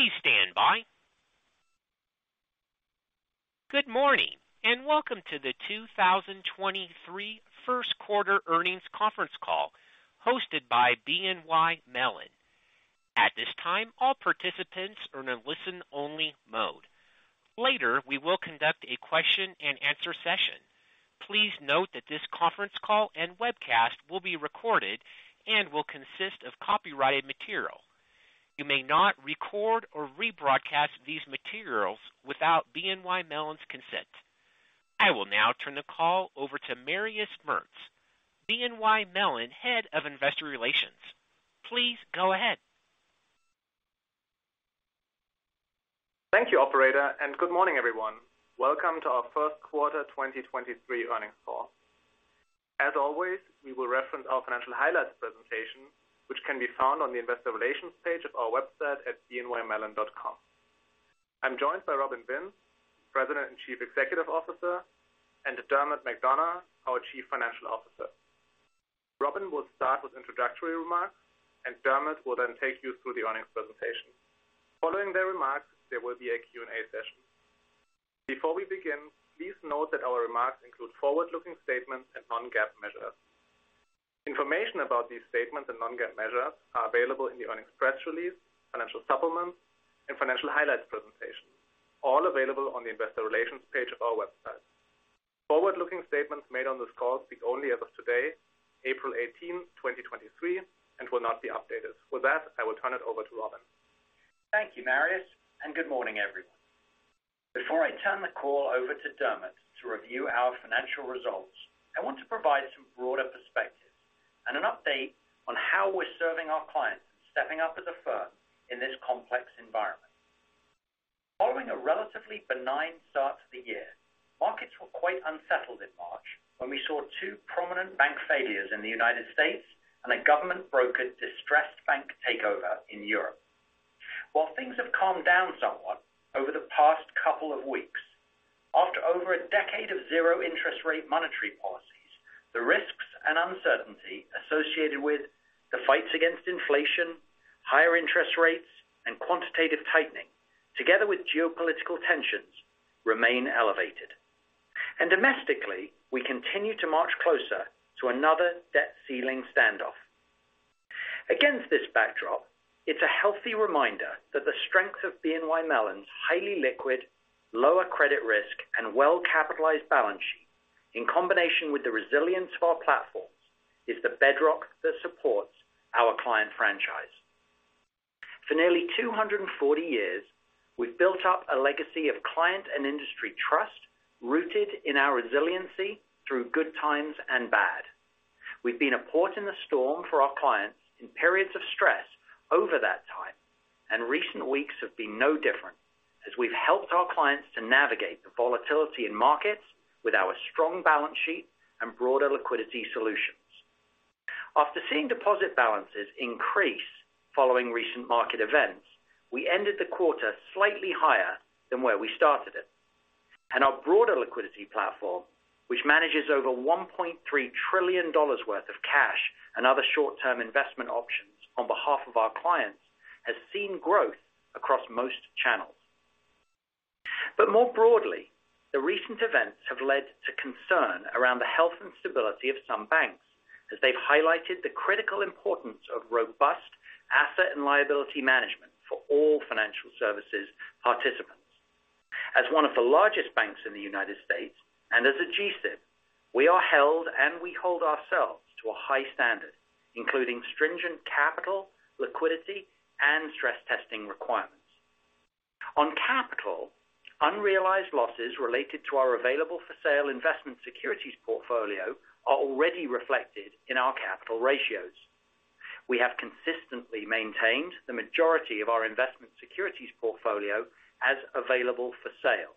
Please stand by. Good morning, and welcome to the 2023 Q1 Earnings Conference Call hosted by BNY Mellon. At this time, all participants are in a listen-only mode. Later, we will conduct a question-and-answer session. Please note that this conference call and webcast will be recorded and will consist of copyrighted material. You may not record or rebroadcast these materials without BNY Mellon's consent. I will now turn the call over to Marius Merz, BNY Mellon Head of Investor Relations. Please go ahead. Thank you, Operator, and good morning, everyone. Welcome to our Q1 2023 Earnings Call. As always, we will reference our financial highlights presentation, which can be found on the investor relations page of our website at bnymellon.com. I'm joined by Robin Vince, President and Chief Executive Officer, and Dermot McDonogh, our Chief Financial Officer. Robin will start with introductory remarks, and Dermot will then take you through the earnings presentation. Following their remarks, there will be a Q&A session. Before we begin, please note that our remarks include forward-looking statements and non-GAAP measures. Information about these statements and non-GAAP measures are available in the earnings press release, financial supplements, and financial highlights presentation, all available on the investor relations page of our website. Forward-looking statements made on this call speak only as of today, April 18, 2023, and will not be updated. With that, I will turn it over to Robin. Thank you, Marius. Good morning, everyone. Before I turn the call over to Dermot to review our financial results, I want to provide some broader perspective and an update on how we're serving our clients and stepping up as a firm in this complex environment. Following a relatively benign start to the year, markets were quite unsettled in March when we saw two prominent bank failures in the U.S. and a government-brokered distressed bank takeover in Europe. While things have calmed down somewhat over the past couple of weeks, after over a decade of zero interest rate monetary policies, the risks and uncertainty associated with the fights against inflation, higher interest rates, and quantitative tightening, together with geopolitical tensions remain elevated. Domestically, we continue to march closer to another debt ceiling standoff. Against this backdrop, it's a healthy reminder that the strength of BNY Mellon's highly liquid, lower credit risk, and well-capitalized balance sheet, in combination with the resilience of our platforms, is the bedrock that supports our client franchise. For nearly 240 years, we've built up a legacy of client and industry trust rooted in our resiliency through good times and bad. Recent weeks have been no different as we've helped our clients to navigate the volatility in markets with our strong balance sheet and broader liquidity solutions. After seeing deposit balances increase following recent market events, we ended the quarter slightly higher than where we started it. Our broader liquidity platform, which manages over $1.3 trillion worth of cash and other short-term investment options on behalf of our clients, has seen growth across most channels. More broadly, the recent events have led to concern around the health and stability of some banks as they've highlighted the critical importance of robust asset and liability management for all financial services participants. As one of the largest banks in the United States and as a GSIB, we are held and we hold ourselves to a high standard, including stringent capital, liquidity, and stress testing requirements. On capital, unrealized losses related to our available-for-sale investment securities portfolio are already reflected in our capital ratios. We have consistently maintained the majority of our investment securities portfolio as available for sale.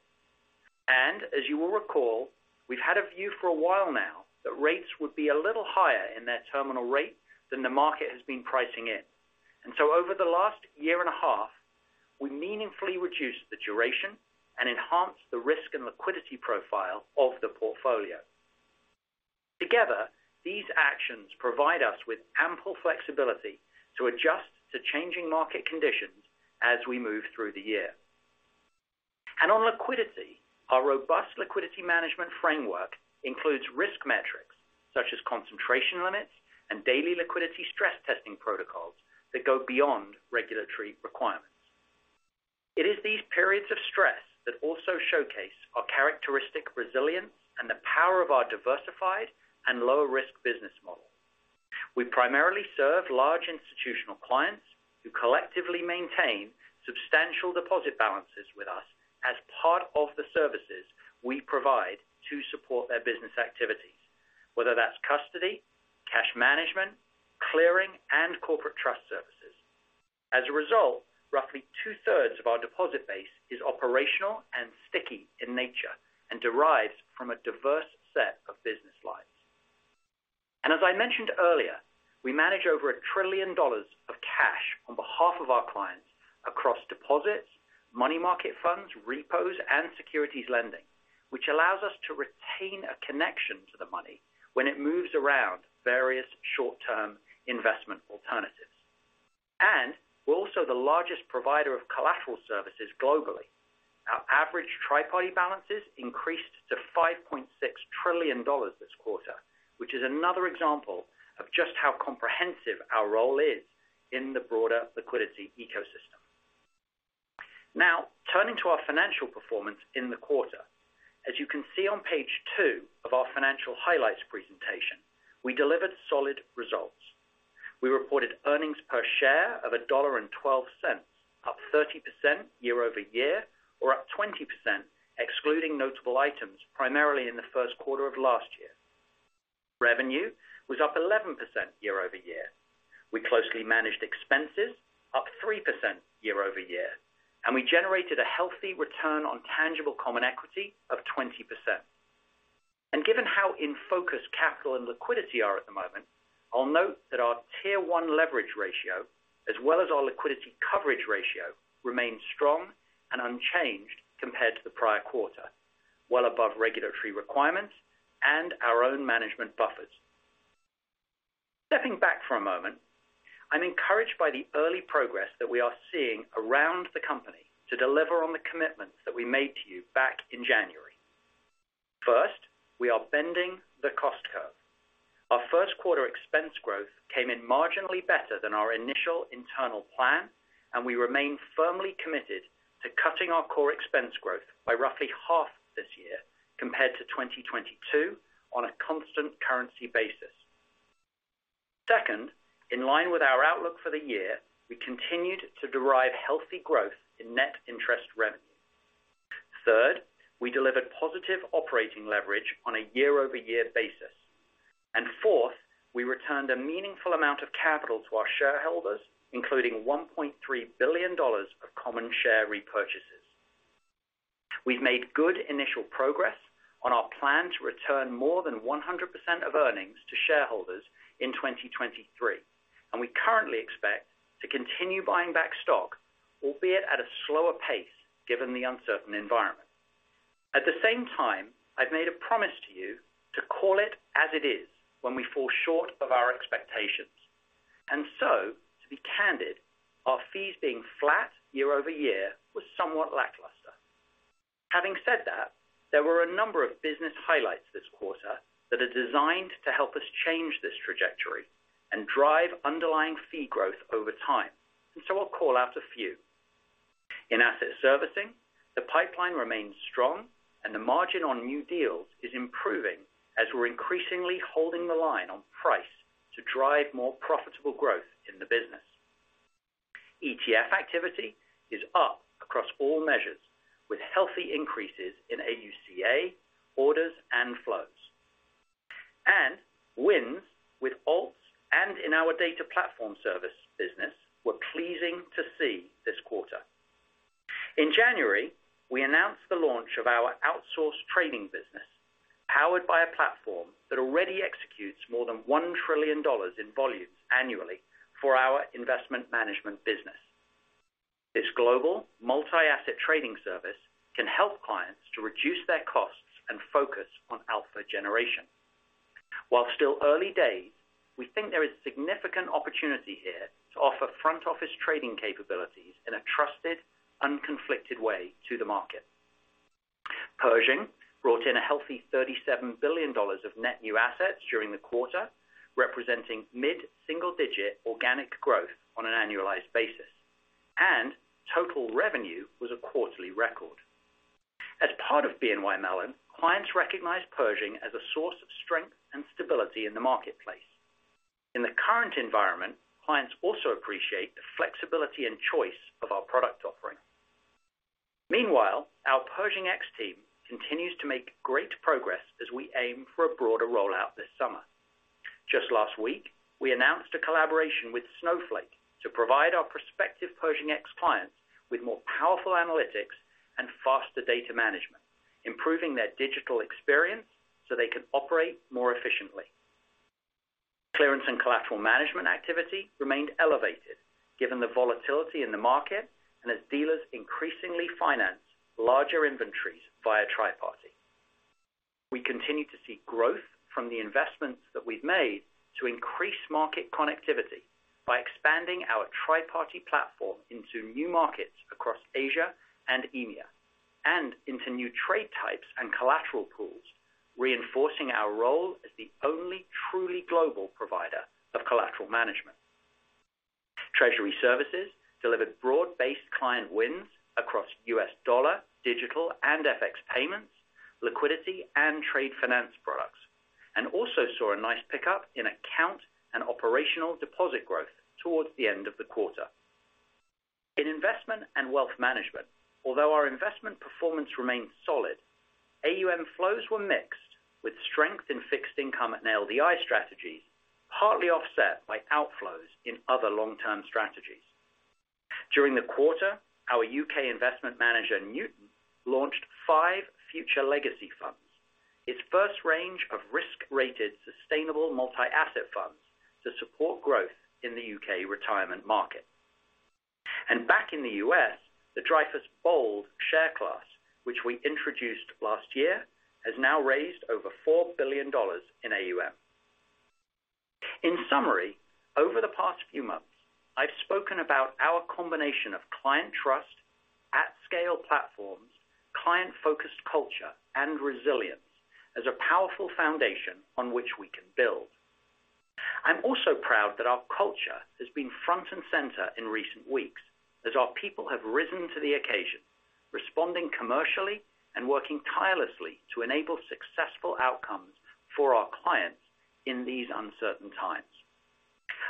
As you will recall, we've had a view for a while now that rates would be a little higher in their terminal rate than the market has been pricing in. Over the last year and a half, we meaningfully reduced the duration and enhanced the risk and liquidity profile of the portfolio. Together, these actions provide us with ample flexibility to adjust to changing market conditions as we move through the year. On liquidity, our robust liquidity management framework includes risk metrics such as concentration limits and daily liquidity stress testing protocols that go beyond regulatory requirements. It is these periods of stress that also showcase our characteristic resilience and the power of our diversified and lower-risk business model. We primarily serve large institutional clients who collectively maintain substantial deposit balances with us as part of the services we provide to support their business activities, whether that's custody, cash management, clearing, and corporate trust services. As a result, roughly two-thirds of our deposit base is operational and sticky in nature and derives from a diverse set of business lines. As I mentioned earlier, we manage over $1 trillion of cash on behalf of our clients across deposit-money market funds, repos, and securities lending, which allows us to retain a connection to the money when it moves around various short-term investment alternatives. We're also the largest provider of collateral services globally. Our average tri-party balances increased to $5.6 trillion this quarter, which is another example of just how comprehensive our role is in the broader liquidity ecosystem. Now turning to our financial performance in the quarter. As you can see on page two of our financial highlights presentation, we delivered solid results. We reported earnings per share of $1.12, up 30% year-over-year, or up 20% excluding notable items, primarily in the Q1 of last year. Revenue was up 11% year-over-year. We closely managed expenses up 3% year-over-year. We generated a healthy return on tangible common equity of 20%. Given how in focus capital and liquidity are at the moment, I'll note that our Tier 1 leverage ratio, as well as our liquidity coverage ratio, remains strong and unchanged compared to the prior quarter, well above regulatory requirements and our own management buffers. Stepping back for a moment, I'm encouraged by the early progress that we are seeing around the company to deliver on the commitments that we made to you back in January. First, we are bending the cost curve. Our Q1 expense growth came in marginally better than our initial internal plan, and we remain firmly committed to cutting our core expense growth by roughly half this year compared to 2022 on a constant currency basis. Second, in line with our outlook for the year, we continued to derive healthy growth in net interest revenue. Third, we delivered positive operating leverage on a year-over-year basis. Fourth, we returned a meaningful amount of capital to our shareholders, including $1.3 billion of common share repurchases. We've made good initial progress on our plan to return more than 100% of earnings to shareholders in 2023. We currently expect to continue buying back stock, albeit at a slower pace, given the uncertain environment. At the same time, I've made a promise to you to call it as it is when we fall short of our expectations. To be candid, our fees being flat year-over-year was somewhat lackluster. Having said that, there were a number of business highlights this quarter that are designed to help us change this trajectory and drive underlying fee growth over time. I'll call out a few. In asset servicing, the pipeline remains strong and the margin on new deals is improving as we're increasingly holding the line on price to drive more profitable growth in the business. ETF activity is up across all measures with healthy increases in AUCA, orders, and flows. Wins with alts and in our data platform service business were pleasing to see this quarter. In January, we announced the launch of our outsourced trading business, powered by a platform that already executes more than $1 trillion in volumes annually for our investment management business. This global multi-asset trading service can help clients to reduce their costs and focus on alpha generation. While still early days, we think there is significant opportunity here to offer front office trading capabilities in a trusted, unconflicted way to the market. Pershing brought in a healthy $37 billion of net new assets during the quarter, representing mid-single digit organic growth on an annualized basis. Total revenue was a quarterly record. As part of BNY Mellon, clients recognize Pershing as a source of strength and stability in the marketplace. In the current environment, clients also appreciate the flexibility and choice of our product offering. Meanwhile, our Pershing X team continues to make great progress as we aim for a broader rollout this summer. Just last week, we announced a collaboration with Snowflake to provide our prospective Pershing X clients with more powerful analytics and faster data management, improving their digital experience so they can operate more efficiently. Clearance and collateral management activity remained elevated given the volatility in the market and as dealers increasingly finance larger inventories via tri-party. We continue to see growth from the investments that we've made to increase market connectivity by expanding our tri-party platform into new markets across Asia and EMEA, and into new trade types and collateral pools, reinforcing our role as the only truly global provider of collateral management. Treasury services delivered broad-based client wins across U.S. dollar, digital and FX payments, liquidity and trade finance products, and also saw a nice pickup in account and operational deposit growth towards the end of the quarter. In investment and wealth management, although our investment performance remained solid, AUM flows were mixed, with strength in fixed income and LDI strategies, partly offset by outflows in other long-term strategies. During the quarter, our U.K. investment manager, Newton, launched five FutureLegacy funds. Its first range of risk-rated sustainable multi-asset funds to support growth in the U.K. retirement market. Back in the U.S., the Dreyfus BOLD share class, which we introduced last year, has now raised over $4 billion in AUM. In summary, over the past few months, I've spoken about our combination of client trust, at scale platforms, client-focused culture, and resilience as a powerful foundation on which we can build. I'm also proud that our culture has been front and center in recent weeks as our people have risen to the occasion, responding commercially and working tirelessly to enable successful outcomes for our clients in these uncertain times.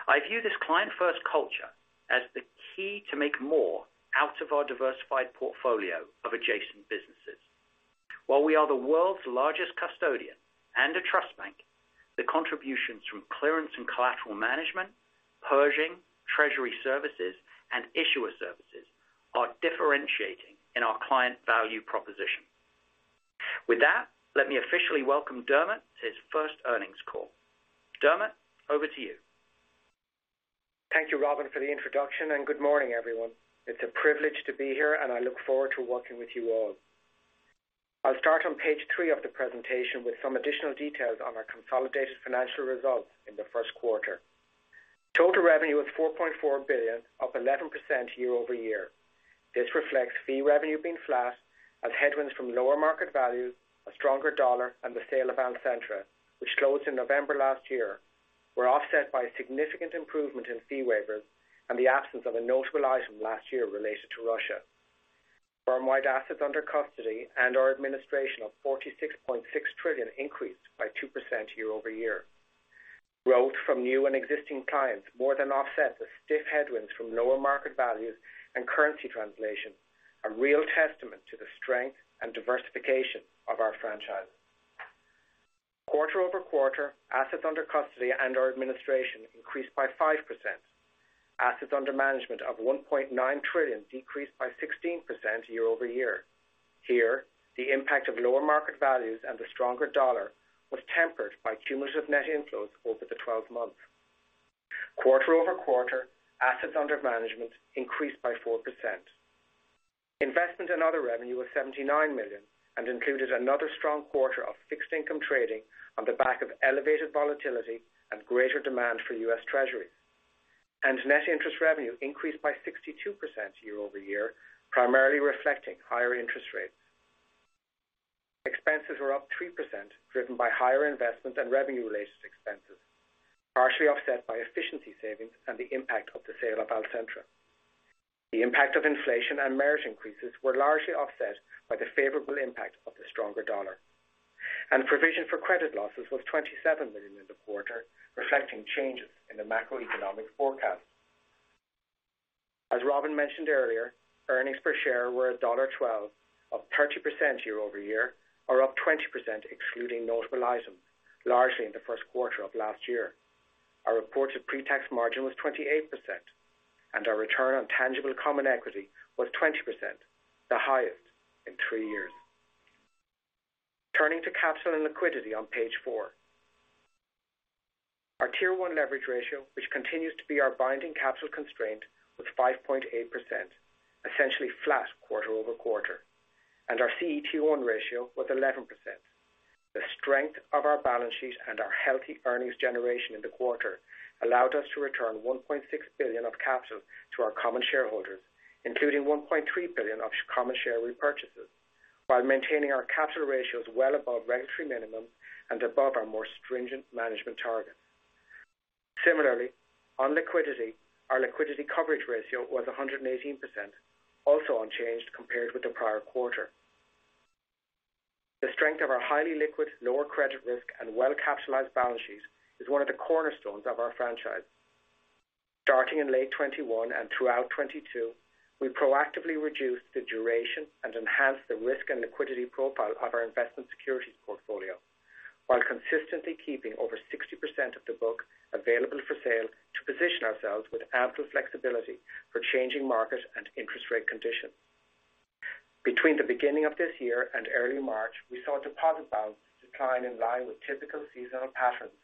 I view this client-first culture as the key to make more out of our diversified portfolio of adjacent businesses. While we are the world's largest custodian and a trust bank, the contributions from clearance and collateral management, Pershing, treasury services, and issuer services are differentiating in our client value proposition. With that, let me officially welcome Dermot McDonogh to his first earnings call. Dermot, over to you. Thank you, Robin, for the introduction. Good morning, everyone. It's a privilege to be here. I look forward to working with you all. I'll start on page three of the presentation with some additional details on our consolidated financial results in the Q1. Total revenue was $4.4 billion, up 11% year-over-year. This reflects fee revenue being flat as headwinds from lower market values, a stronger dollar, the sale of Alcentra, which closed in November last year, were offset by significant improvement in fee waivers and the absence of a notable item last year related to Russia. Firm-wide assets under custody and our administration of $46.6 trillion increased by 2% year-over-year. Growth from new and existing clients more than offset the stiff headwinds from lower market values and currency translation, a real testament to the strength and diversification of our franchise. Quarter-over-quarter, assets under custody and our administration increased by 5%. Assets under management of $1.9 trillion decreased by 16% year-over-year. Here, the impact of lower market values and the stronger dollar was tempered by cumulative net inflows over the 12 months. Quarter-over-quarter, assets under management increased by 4%. Investment and other revenue was $79 million and included another strong quarter of fixed income trading on the back of elevated volatility and greater demand for U.S. Treasury. Net interest revenue increased by 62% year-over-year, primarily reflecting higher interest rates. Expenses were up 3%, driven by higher investments and revenue-related expenses, partially offset by efficiency savings and the impact of the sale of Alcentra. The impact of inflation and merit increases were largely offset by the favorable impact of the stronger dollar. Provision for credit losses was $27 million in the quarter, reflecting changes in the macroeconomic forecast. As Robin mentioned earlier, earnings per share were $1.12, up 30% year-over-year, or up 20% excluding notable items, largely in the Q1 of last year. Our reported pre-tax margin was 28%. Our return on tangible common equity was 20%, the highest in three years. Turning to capital and liquidity on page four. Our Tier 1 leverage ratio, which continues to be our binding capital constraint, was 5.8%, essentially flat quarter-over-quarter. Our CET1 ratio was 11%. The strength of our balance sheet and our healthy earnings generation in the quarter allowed us to return $1.6 billion of capital to our common shareholders, including $1.3 billion of common share repurchases, while maintaining our capital ratios well above regulatory minimum and above our more stringent management targets. Similarly, on liquidity, our liquidity coverage ratio was 118%, also unchanged compared with the prior quarter. The strength of our highly liquid, lower credit risk, and well-capitalized balance sheet is one of the cornerstones of our franchise. Starting in late 2021 and throughout 2022, we proactively reduced the duration and enhanced the risk and liquidity profile of our investment securities portfolio while consistently keeping over 60% of the book available-for-sale to position ourselves with ample flexibility for changing market and interest rate conditions. Between the beginning of this year and early March, we saw deposit balance decline in line with typical seasonal patterns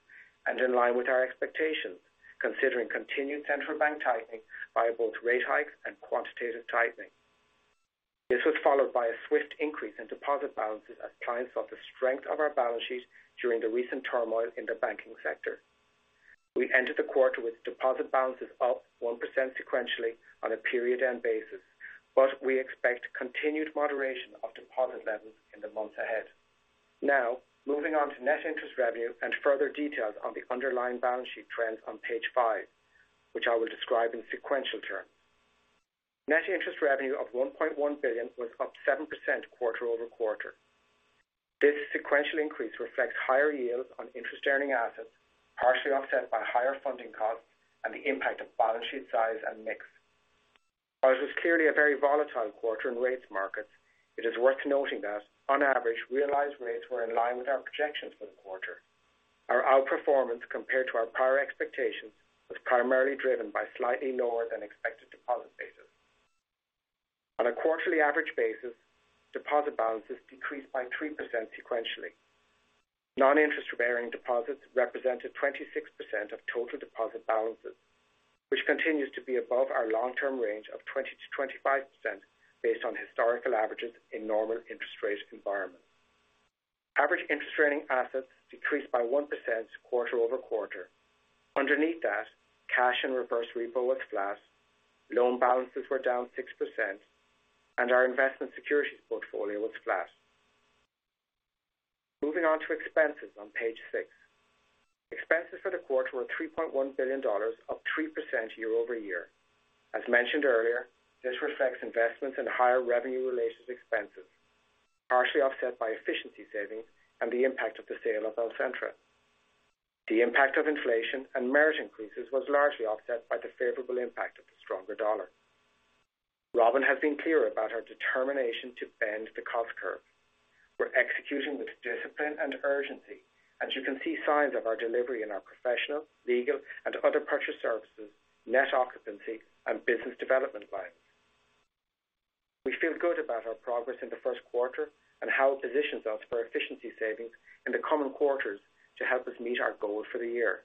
and in line with our expectations, considering continued central bank tightening by both rate hikes and quantitative tightening. This was followed by a swift increase in deposit balances as clients saw the strength of our balance sheet during the recent turmoil in the banking sector. We entered the quarter with deposit balances up 1% sequentially on a period end basis, but we expect continued moderation of deposit levels in the months ahead. Moving on to net interest revenue and further details on the underlying balance sheet trends on page five, which I will describe in sequential terms. Net interest revenue of $1.1 billion was up 7% quarter-over-quarter. This sequential increase reflects higher yields on interest-earning assets, partially offset by higher funding costs and the impact of balance sheet size and mix. While it was clearly a very volatile quarter in rates markets, it is worth noting that on average, realized rates were in line with our projections for the quarter. Our outperformance compared to our prior expectations was primarily driven by slightly lower than expected deposit basis. On a quarterly average basis, deposit balances decreased by 3% sequentially. Non-interest-bearing deposits represented 26% of total deposit balances, which continues to be above our long-term range of 20%-25% based on historical averages in normal interest rate environment. Average interest-earning assets decreased by 1% quarter-over-quarter. Underneath that, cash and reverse repo was flat, loan balances were down 6%, and our investment securities portfolio was flat. Moving on to expenses on page six. Expenses for the quarter were $3.1 billion, up 3% year-over-year. As mentioned earlier, this reflects investments in higher revenue-related expenses, partially offset by efficiency savings and the impact of the sale of Alcentra. The impact of inflation and merit increases was largely offset by the favorable impact of the stronger dollar. Robin has been clear about her determination to bend the cost curve. We're executing with discipline and urgency. You can see signs of our delivery in our professional, legal, and other purchase services, net occupancy and business development plans. We feel good about our progress in the Q1 and how it positions us for efficiency savings in the coming quarters to help us meet our goals for the year.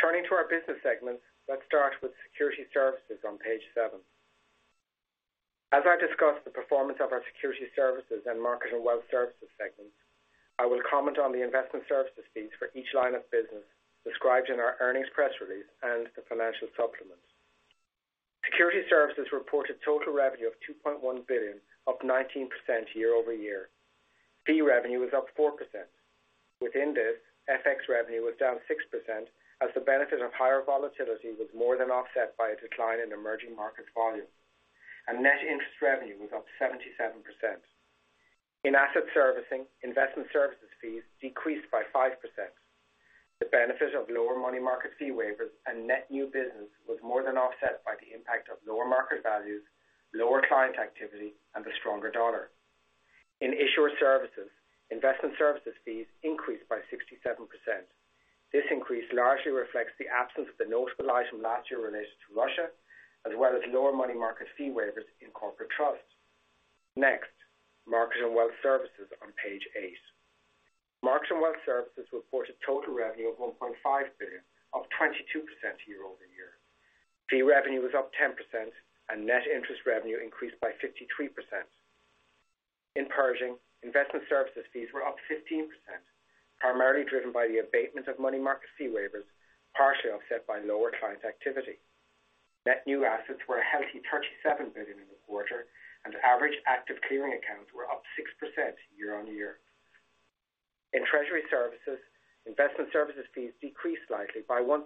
Turning to our business segments, let's start with security services on page seven. As I discussed the performance of our security services and market and wealth services segments, I will comment on the investment services fees for each line of business described in our earnings press release and the financial supplements. Security services reported total revenue of $2.1 billion, up 19% year-over-year. Fee revenue was up 4%. Within this, FX revenue was down 6% as the benefit of higher volatility was more than offset by a decline in emerging markets volume. Net interest revenue was up 77%. In asset servicing, investment services fees decreased by 5%. The benefit of lower money market fee waivers and net new business was more than offset by the impact of lower market values, lower client activity, and the stronger dollar. In issuer services, investment services fees increased by 67%. This increase largely reflects the absence of the note realized from last year related to Russia, as well as lower money market fee waivers in corporate trust. Next, market and wealth services on page eight. Market and wealth services reported total revenue of $1.5 billion, up 22% year-over-year. Fee revenue was up 10% and net interest revenue increased by 53%. In Pershing, investment services fees were up 15%, primarily driven by the abatement of money market fee waivers, partially offset by lower client activity. Net new assets were a healthy $37 billion in the quarter, and average active clearing accounts were up 6% year-on-year. In treasury services, investment services fees decreased slightly by 1%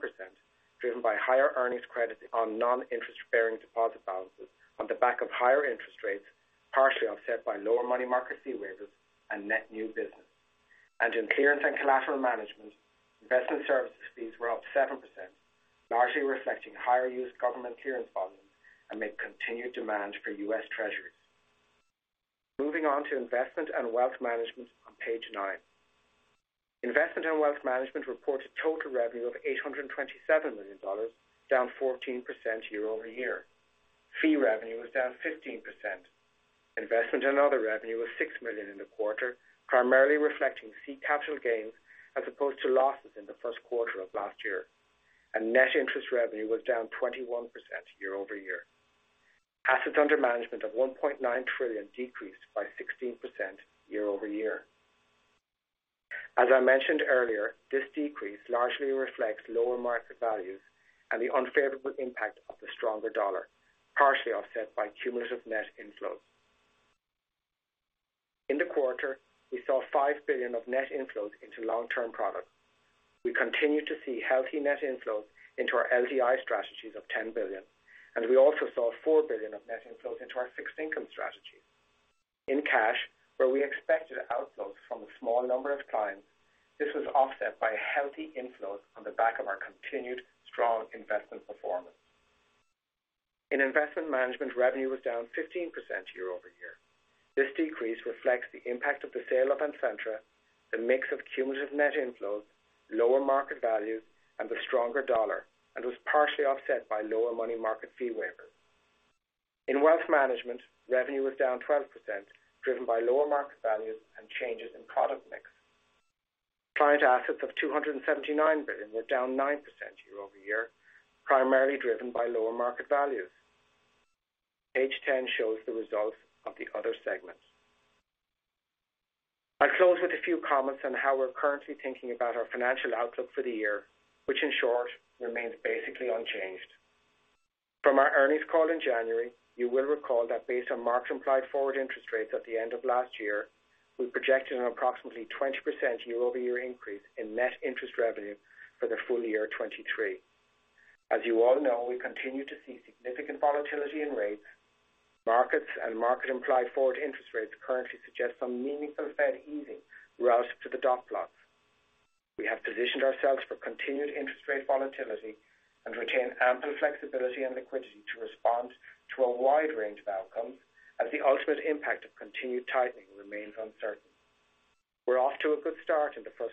driven by higher earnings credits on non-interest-bearing deposit balances on the back of higher interest rates, partially offset by lower money market fee waivers and net new business. In clearance and collateral management, investment services fees were up 7%, largely reflecting higher used government clearance volumes amid continued demand for U.S. treasuries. Moving on to investment and wealth management on page nine. Investment and wealth management reported total revenue of $827 million, down 14% year-over-year. Fee revenue was down 15%. Investment in other revenue was $6 million in the quarter, primarily reflecting C capital gains as opposed to losses in the Q1 of last year. Net interest revenue was down 21% year-over-year. Assets under management of $1.9 trillion decreased by 16% year-over-year. As I mentioned earlier, this decrease largely reflects lower market values and the unfavorable impact of the stronger dollar, partially offset by cumulative net inflows. In the quarter, we saw $5 billion of net inflows into long-term products. We continue to see healthy net inflows into our LDI strategies of $10 billion. We also saw $4 billion of net inflows into our fixed income strategies. In cash, where we expected outflows from a small number of clients, this was offset by healthy inflows on the back of our continued strong investment performance. In investment management, revenue was down 15% year-over-year. This decrease reflects the impact of the sale of Alcentra, the mix of cumulative net inflows, lower market values, and the stronger dollar, and was partially offset by lower money market fee waivers. In wealth management, revenue was down 12% driven by lower market values and changes in product mix. Client assets of $279 billion were down 9% year-over-year, primarily driven by lower market values. Page 10 shows the results of the other segments. I close with a few comments on how we're currently thinking about our financial outlook for the year, which in short remains basically unchanged. From our earnings call in January, you will recall that based on marks implied forward interest rates at the end of last year, we projected an approximately 20% year-over-year increase in net interest revenue for the full year 23. As you all know, we continue to see significant volatility in rates. Markets and market-implied forward interest rates currently suggest some meaningful Fed easing relative to the dot plot. We have positioned ourselves for continued interest rate volatility and retain ample flexibility and liquidity to respond to a wide range of outcomes as the ultimate impact of continued tightening remains uncertain. We're off to a good start in the Q1,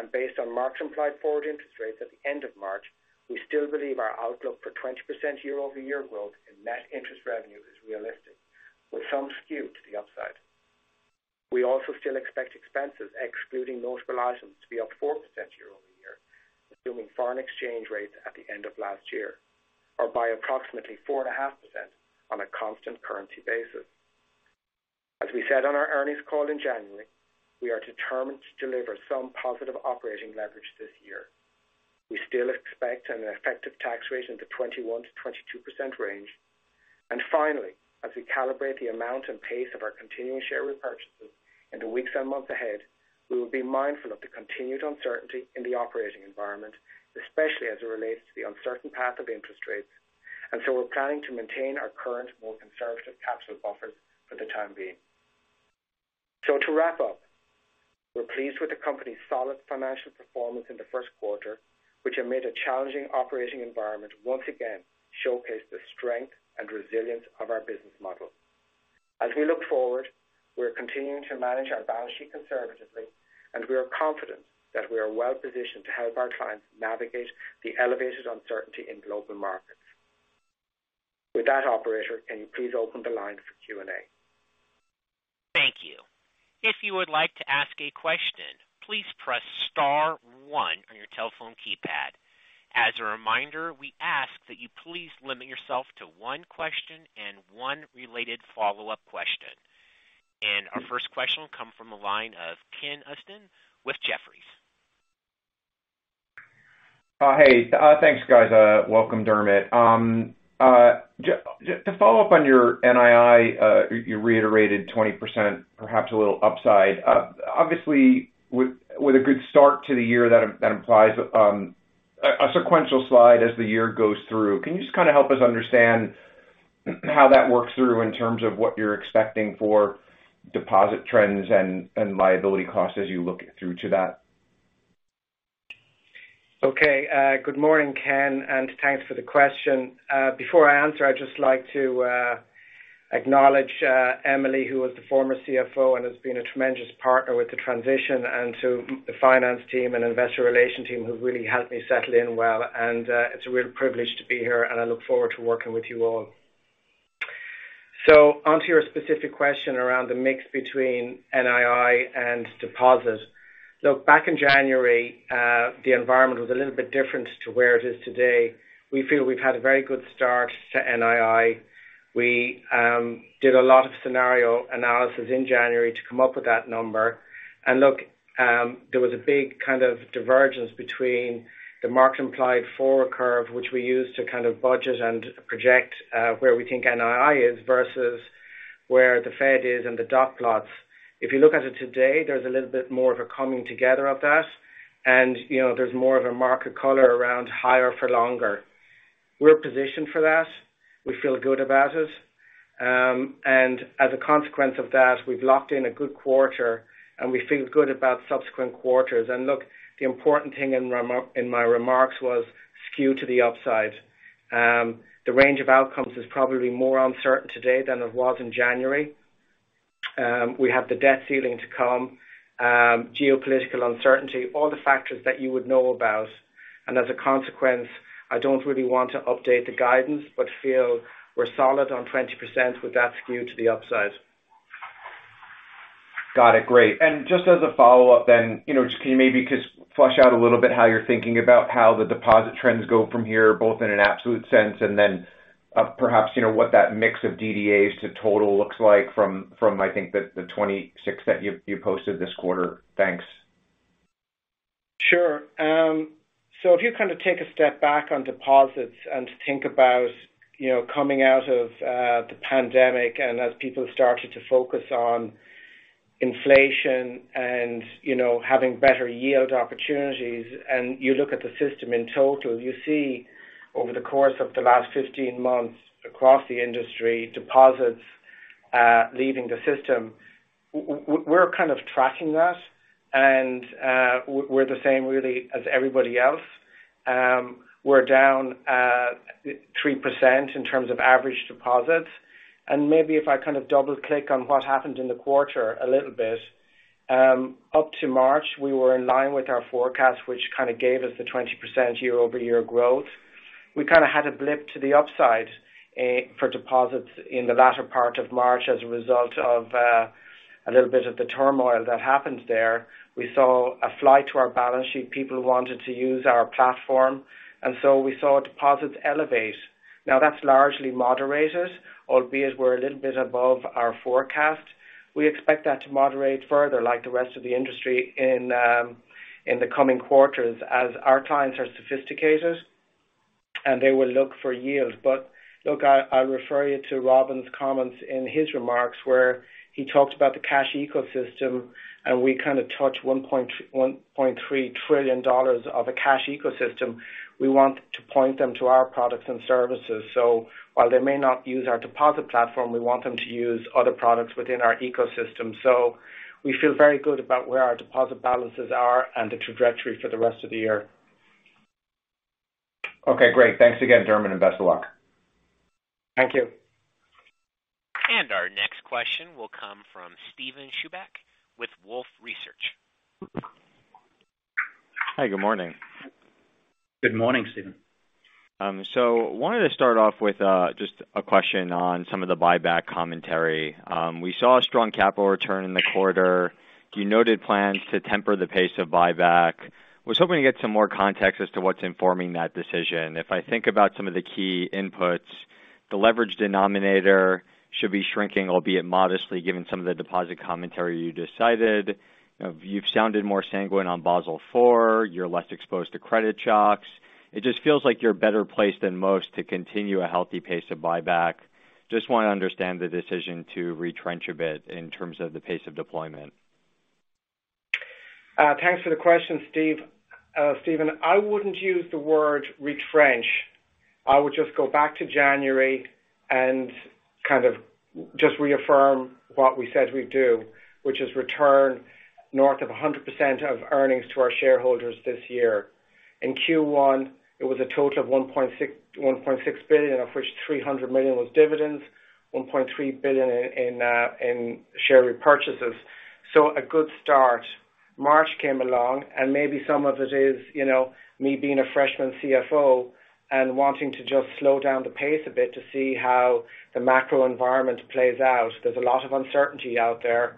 and based on March implied forward interest rates at the end of March, we still believe our outlook for 20% year-over-year growth in net interest revenue is realistic, with some skew to the upside. We also still expect expenses excluding loan provisions to be up 4% year-over-year, assuming foreign exchange rates at the end of last year are by approximately 4.5% on a constant currency basis. As we said on our earnings call in January, we are determined to deliver some positive operating leverage this year. We still expect an effective tax rate in the 21%-22% range. Finally, as we calibrate the amount and pace of our continuing share repurchases in the weeks and months ahead, we will be mindful of the continued uncertainty in the operating environment, especially as it relates to the uncertain path of interest rates. We're planning to maintain our current more conservative capital buffers for the time being. To wrap up, we're pleased with the company's solid financial performance in the Q1, which amid a challenging operating environment, once again showcased the strength and resilience of our business model. As we look forward, we're continuing to manage our balance sheet conservatively, and we are confident that we are well-positioned to help our clients navigate the elevated uncertainty in global markets. With that, operator, can you please open the line for Q&A? Thank you. If you would like to ask a question, please press star one on your telephone keypad. As a reminder, we ask that you please limit yourself to one question and one related follow-up question. Our first question will come from the line of Ken Usdin with Jefferies. Hey, thanks, guys. Welcome, Dermot. To follow up on your NII, you reiterated 20%, perhaps a little upside. Obviously, with a good start to the year, that implies a sequential slide as the year goes through. Can you just help us understand how that works through in terms of what you're expecting for deposit trends and liability costs as you look through to that? Okay. Good morning, Ken, thanks for the question. Before I answer, I'd just like to acknowledge Emily, who was the former CFO and has been a tremendous partner with the transition and to the finance team and Investor Relations team who really helped me settle in well. It's a real privilege to be here, and I look forward to working with you all. Onto your specific question around the mix between NII and deposit. Look, back in January, the environment was a little bit different to where it is today. We feel we've had a very good start to NII. We did a lot of scenario analysis in January to come up with that number. Look, there was a big kind of divergence between the market implied forward curve, which we use to budget and project, where we think NII is versus where the Fed is and the dot plot. If you look at it today, there's a little bit more of a coming together of that. You know, there's more of a market color around higher for longer. We're positioned for that. We feel good about it. As a consequence of that, we've locked in a good quarter, and we feel good about subsequent quarters. Look, the important thing in my remarks was skew to the upside. The range of outcomes is probably more uncertain today than it was in January. We have the debt ceiling to come, geopolitical uncertainty, all the factors that you would know about. As a consequence, I don't really want to update the guidance, but feel we're solid on 20% with that skew to the upside. Got it. Great. Just as a follow-up then, you know, just can you maybe just flush out a little bit how you're thinking about how the deposit trends go from here, both in an absolute sense, and then, perhaps, you know, what that mix of DDAs to total looks like from, I think the 26 that you posted this quarter. Thanks. Sure. If you take a step back on deposits and think about, you know, coming out of the pandemic and as people started to focus on inflation and, you know, having better yield opportunities, and you look at the system in total, you see over the course of the last 15 months across the industry, deposits leaving the system. We're kind of tracking that, and we're the same really as everybody else. We're down 3% in terms of average deposits. Maybe if I double-click on what happened in the quarter a little bit, up to March, we were in line with our forecast, which gave us the 20% year-over-year growth. We had a blip to the upside, for deposits in the latter part of March as a result of a little bit of the turmoil that happened there. We saw a flight to our balance sheet. People wanted to use our platform. We saw deposits elevate. That's largely moderated, albeit we're a little bit above our forecast. We expect that to moderate further like the rest of the industry in the coming quarters as our clients are sophisticated, and they will look for yield. Look, I'll refer you to Robin's comments in his remarks where he talked about the cash ecosystem, and we touched $1.3 trillion of a cash ecosystem. We want to point them to our products and services. While they may not use our deposit platform, we want them to use other products within our ecosystem. We feel very good about where our deposit balances are and the trajectory for the rest of the year. Okay, great. Thanks again, Dermot, and best of luck. Thank you. Our next question will come from Steven Chubak with Wolfe Research. Hi, good morning. Good morning, Steven. Wanted to start off with just a question on some of the buyback commentary. We saw a strong capital return in the quarter. You noted plans to temper the pace of buyback. Was hoping to get some more context as to what's informing that decision. If I think about some of the key inputs, the leverage denominator should be shrinking, albeit modestly, given some of the deposit commentary you decided. You've sounded more sanguine on Basel IV. You're less exposed to credit shocks. It just feels like you're better placed than most to continue a healthy pace of buyback. Just wanna understand the decision to retrench a bit in terms of the pace of deployment. Thanks for the question, Steve, Steven. I wouldn't use the word retrench. I would just go back to January and kind of just reaffirm what we said we'd do, which is return north of 100% of earnings to our shareholders this year. In Q1, it was a total of $1.6 billion, of which $300 million was dividends, $1.3 billion in share repurchases. A good start. March came along, maybe some of it is, you know, me being a freshman CFO and wanting to just slow down the pace a bit to see how the macro environment plays out. There's a lot of uncertainty out there.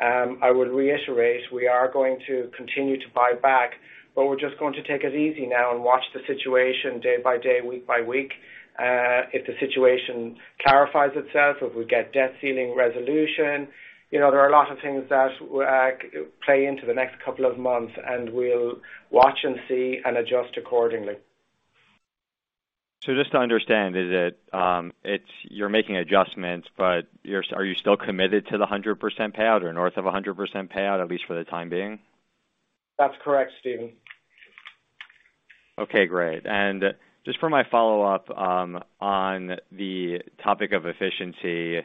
I would reiterate, we are going to continue to buy back. We're just going to take it easy now and watch the situation day by day, week by week. If the situation clarifies itself, if we get debt ceiling resolution, you know, there are a lot of things that will play into the next couple of months. We'll watch and see and adjust accordingly. Just to understand, is it's you're making adjustments, but are you still committed to the 100% payout or north of a 100% payout, at least for the time being? That's correct, Steven. Okay, great. Just for my follow-up, on the topic of efficiency,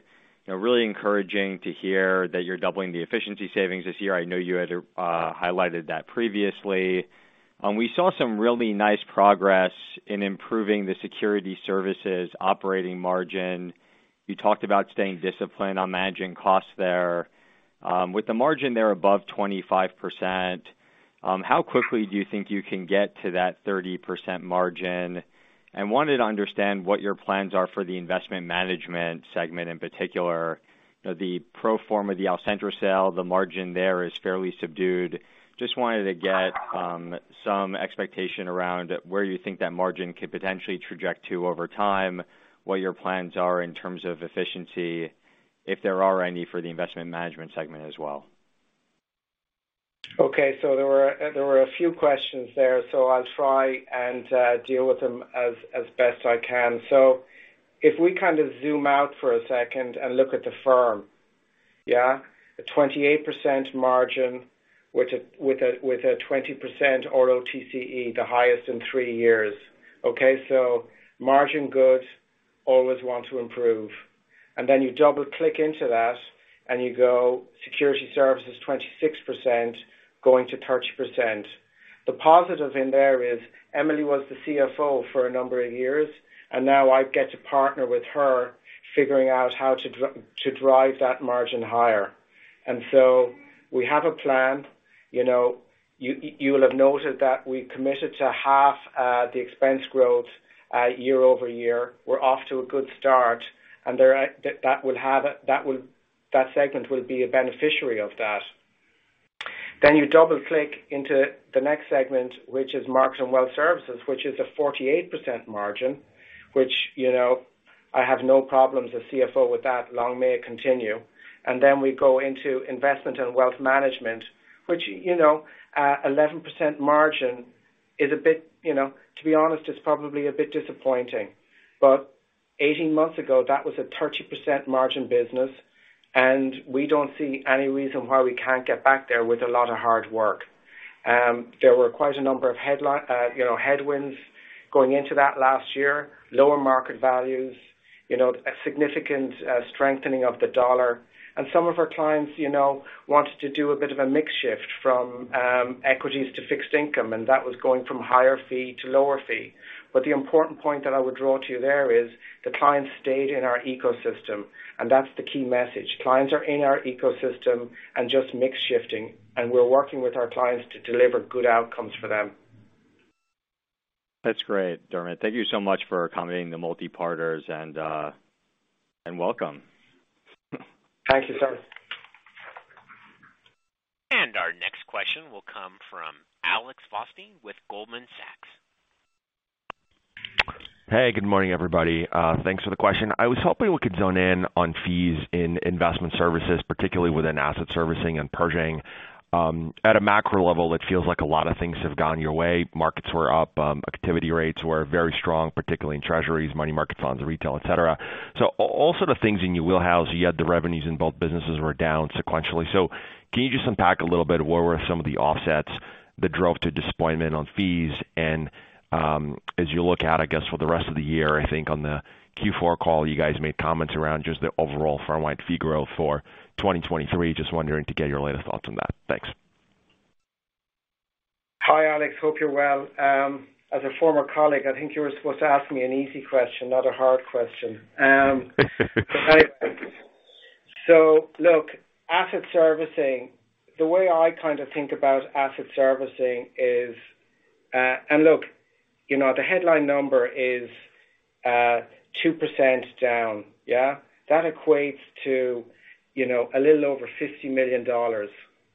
you know, really encouraging to hear that you're doubling the efficiency savings this year. I know you had highlighted that previously. We saw some really nice progress in improving the security services operating margin. You talked about staying disciplined on managing costs there. With the margin there above 25%, how quickly do you think you can get to that 30% margin? Wanted to understand what your plans are for the investment management segment in particular. The pro forma, the Alcentra sale, the margin there is fairly subdued. Just wanted to get some expectation around where you think that margin could potentially traject to over time, what your plans are in terms of efficiency, if there are any for the investment management segment as well. Okay. There were a few questions there, I'll try and deal with them as best I can. If we kind of zoom out for a second and look at the firm, yeah. A 28% margin with a 20% ROTCE, the highest in three years. Okay, margin good, always want to improve. You double-click into that and you go security services, 26%, going to 30%. The positive in there is Emily was the CFO for a number of years, and now I get to partner with her figuring out how to drive that margin higher. We have a plan. You know, you will have noted that we committed to half the expense growth year-over-year. We're off to a good start, that segment will be a beneficiary of that. Then you double-click into the next segment, which is markets and wealth services, which is a 48% margin, which, you know, I have no problems as CFO with that. Long may it continue. Then we go into investment and wealth management, which, you know, 11% margin is a bit. You know, to be honest, it's probably a bit disappointing. 18 months ago, that was a 30% margin business, and we don't see any reason why we can't get back there with a lot of hard work. There were quite a number of, you know, headwinds going into that last year. Lower market values, you know, a significant strengthening of the dollar. Some of our clients, you know, wanted to do a bit of a mix shift from equities to fixed income, and that was going from higher fee to lower fee. The important point that I would draw to you there is the clients stayed in our ecosystem, and that's the key message. Clients are in our ecosystem and just mix shifting, and we're working with our clients to deliver good outcomes for them. That's great, Dermot. Thank you so much for accommodating the multi-parters and welcome. Thank you, sir. Our next question will come from Alex Blostein with Goldman Sachs. Hey, good morning, everybody. Thanks for the question. I was hoping we could zone in on fees in investment services, particularly within asset servicing and Pershing. At a macro level, it feels like a lot of things have gone your way. Markets were up, activity rates were very strong, particularly in treasuries, money market funds, retail, et cetera. All sort of things in your wheelhouse, yet the revenues in both businesses were down sequentially. Can you just unpack a little what were some of the offsets that drove to disappointment on fees? As you look out, I guess, for the rest of the year, I think on the Q4 call, you guys made comments around just the overall firm-wide fee growth for 2023. Just wondering to get your latest thoughts on that. Thanks. Hi, Alex. Hope you're well. As a former colleague, I think you were supposed to ask me an easy question, not a hard question. Look, asset servicing, the way I kinda think about asset servicing is. Look, you know, the headline number is 2% down. Yeah. That equates to, you know, a little over $50 million.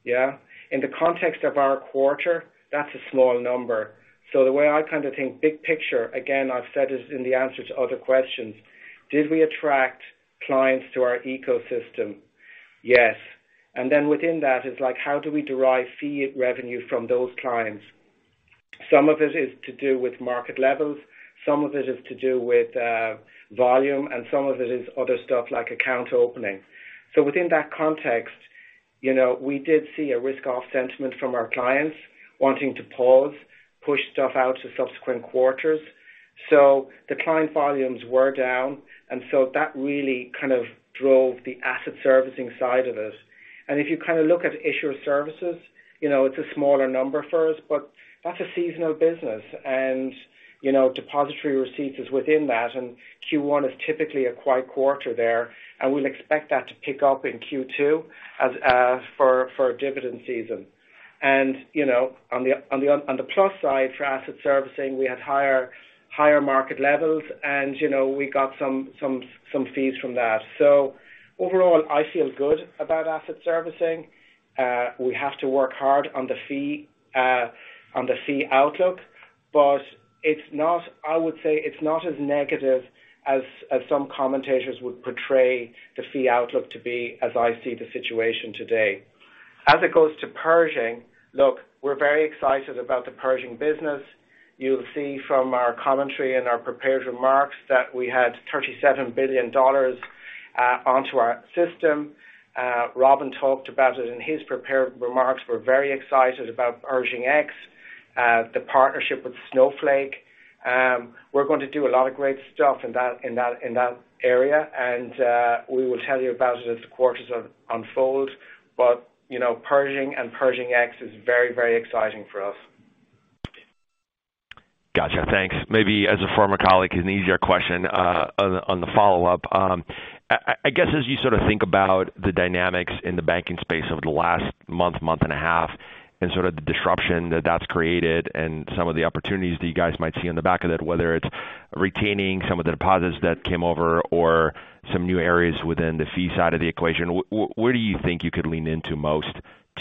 Yeah. In the context of our quarter, that's a small number. The way I kinda think big picture, again, I've said it in the answer to other questions, did we attract clients to our ecosystem? Yes. Within that is like, how do we derive fee revenue from those clients? Some of it is to do with market levels, some of it is to do with volume, and some of it is other stuff like account opening. Within that context, you know, we did see a risk-off sentiment from our clients wanting to pause, push stuff out to subsequent quarters. The client volumes were down, and so that really kinda drove the asset servicing side of it. If you kinda look at issuer services, you know, it's a smaller number for us, but that's a seasonal business. Depository receipts is within that, and Q1 is typically a quiet quarter there, and we'll expect that to pick up in Q2 as for dividend season. On the plus side for asset servicing, we had higher market levels, and, you know, we got some fees from that. Overall, I feel good about asset servicing. We have to work hard on the fee, on the fee outlook, I would say it's not as negative as some commentators would portray the fee outlook to be as I see the situation today. As it goes to Pershing, look, we're very excited about the Pershing business. You'll see from our commentary and our prepared remarks that we had $37 billion onto our system. Robin talked about it in his prepared remarks. We're very excited about Pershing X, the partnership with Snowflake. We're going to do a lot of great stuff in that area, we will tell you about it as the quarters unfold. You know, Pershing and Pershing X is very exciting for us. Gotcha. Thanks. Maybe as a former colleague, an easier question, on the follow-up. I guess, as you sort of think about the dynamics in the banking space over the last month and a half, and sort of the disruption that that's created and some of the opportunities that you guys might see on the back of it, whether it's retaining some of the deposits that came over or some new areas within the fee side of the equation, where do you think you could lean into most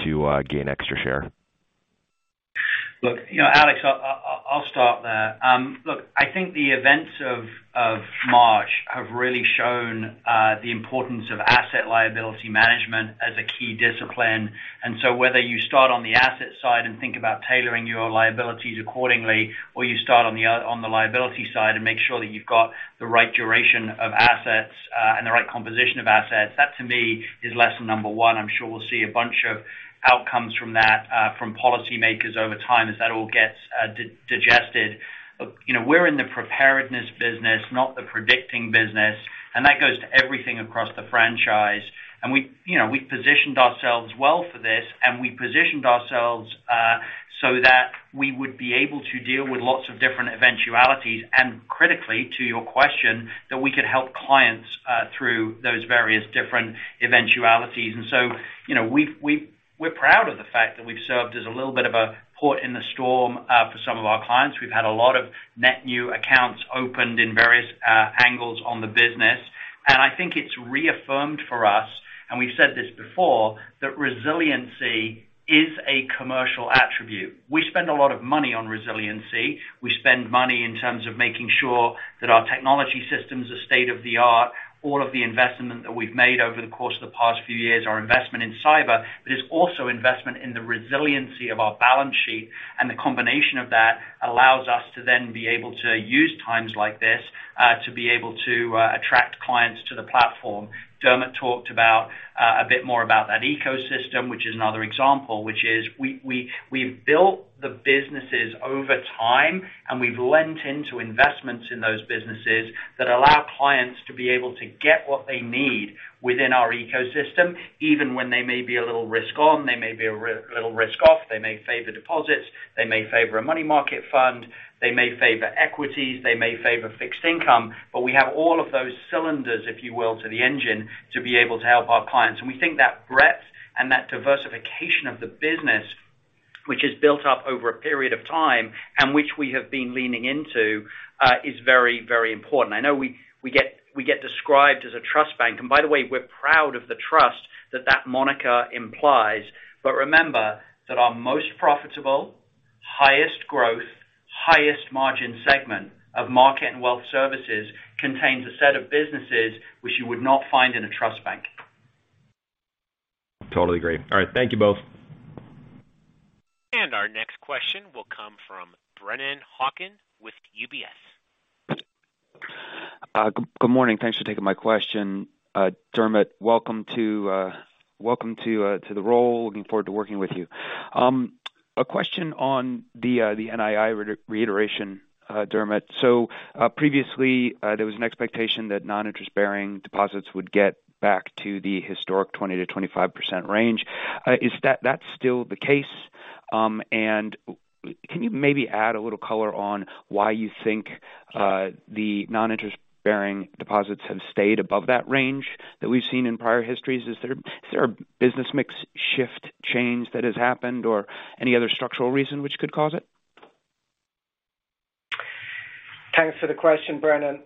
to gain extra share? Look, you know, Alex, I'll start there. Look, I think the events of March have really shown the importance of asset liability management as a key discipline. Whether you start on the asset side and think about tailoring your liabilities accordingly, or you start on the liability side and make sure that you've got the right duration of assets and the right composition of assets, that to me is lesson number one. I'm sure we'll see a bunch of outcomes from that from policymakers over time as that all gets digested. You know, we're in the preparedness business, not the predicting business, and that goes to everything across the franchise. We, you know, we positioned ourselves well for this, and we positioned ourselves so that we would be able to deal with lots of different eventualities. Critically to your question, that we could help clients through those various different eventualities. You know, we're proud of the fact that we've served as a little bit of a port in the storm for some of our clients. We've had a lot of net new accounts opened in various angles on the business. I think it's reaffirmed for us, and we've said this before, that resiliency is a commercial attribute. We spend a lot of money on resiliency. We spend money in terms of making sure that our technology systems are state-of-the-art, all of the investment that we've made over the course of the past few years, our investment in cyber, but it's also investment in the resiliency of our balance sheet. The combination of that allows us to then be able to use times like this, to be able to attract clients to the platform. Dermot talked about a bit more about that ecosystem, which is another example, which is we've built the businesses over time, and we've lent into investments in those businesses that allow clients to be able to get what they need within our ecosystem, even when they may be a little risk on, they may be a little risk off, they may favor deposits, they may favor a money market fund, they may favor equities, they may favor fixed income. We have all of those cylinders, if you will, to the engine to be able to help our clients. We think that breadth and that diversification of the business, which is built up over a period of time and which we have been leaning into is very, very important. I know we get described as a trust bank. By the way, we're proud of the trust that that moniker implies. Remember that our most profitable, highest growth, highest margin segment of market and wealth services contains a set of businesses which you would not find in a trust bank. Totally agree. All right. Thank you both. Our next question will come from Brennan Hawken with UBS. Good morning. Thanks for taking my question. Dermot, welcome to the role. Looking forward to working with you. A question on the NII reiteration, Dermot. Previously, there was an expectation that non-interest-bearing deposits would get back to the historic 20%-25% range. Is that still the case? And can you maybe add a little color on why you think the non-interest-bearing deposits have stayed above that range that we've seen in prior histories? Is there a business mix shift change that has happened or any other structural reason which could cause it? Thanks for the question, Brennan.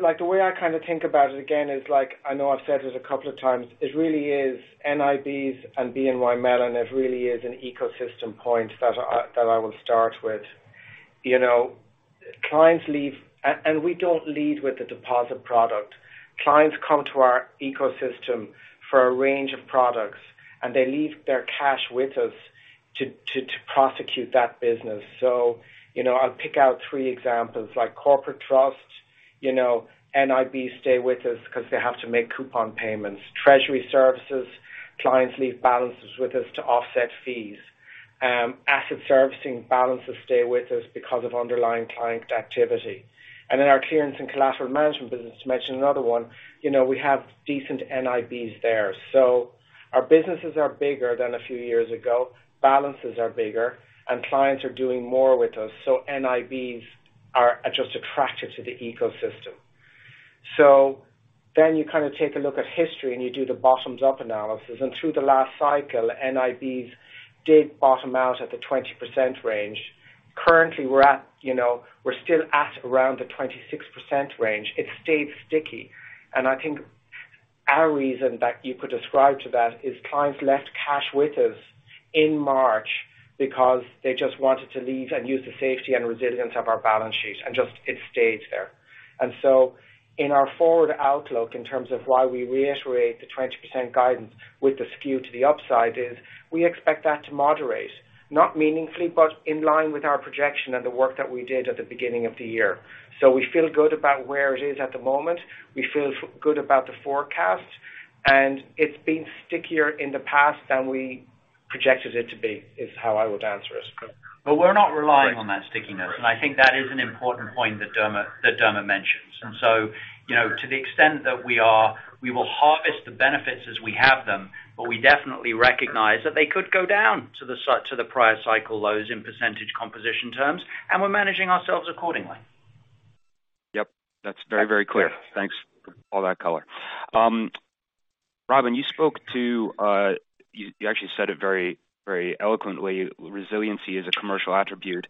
Like, the way I kinda think about it again is like, I know I've said it a couple of times, it really is NIBs and BNY Mellon, it really is an ecosystem point that I will start with. You know, clients leave. We don't lead with the deposit product. Clients come to our ecosystem for a range of products, and they leave their cash with us to prosecute that business. You know, I'll pick out three examples, like corporate trust. You know, NIBs stay with us because they have to make coupon payments. Treasury services, clients leave balances with us to offset fees. Asset servicing balances stay with us because of underlying client activity. Our clearance and collateral management business, to mention another one, you know, we have decent NIBs there. Our businesses are bigger than a few years ago. Balances are bigger, and clients are doing more with us. NIBs are just attractive to the ecosystem. You kind of take a look at history and you do the bottoms-up analysis. Through the last cycle, NIBs did bottom out at the 20% range. Currently, we're at, you know, we're still at around the 26% range. It stayed sticky. I think our reason that you could ascribe to that is clients left cash with us in March because they just wanted to leave and use the safety and resilience of our balance sheet, and just it stayed there. In our forward outlook, in terms of why we reiterate the 20% guidance with the skew to the upside is we expect that to moderate, not meaningfully, but in line with our projection and the work that we did at the beginning of the year. We feel good about where it is at the moment. We feel good about the forecast, and it's been stickier in the past than we projected it to be, is how I would answer it. We're not relying on that stickiness. I think that is an important point that Dermot mentions. You know, to the extent that we are, we will harvest the benefits as we have them, but we definitely recognize that they could go down to the prior cycle lows in percentage composition terms, and we're managing ourselves accordingly. Yep, that's very, very clear. Thanks for all that color. Robin, you actually said it very, very eloquently, resiliency is a commercial attribute.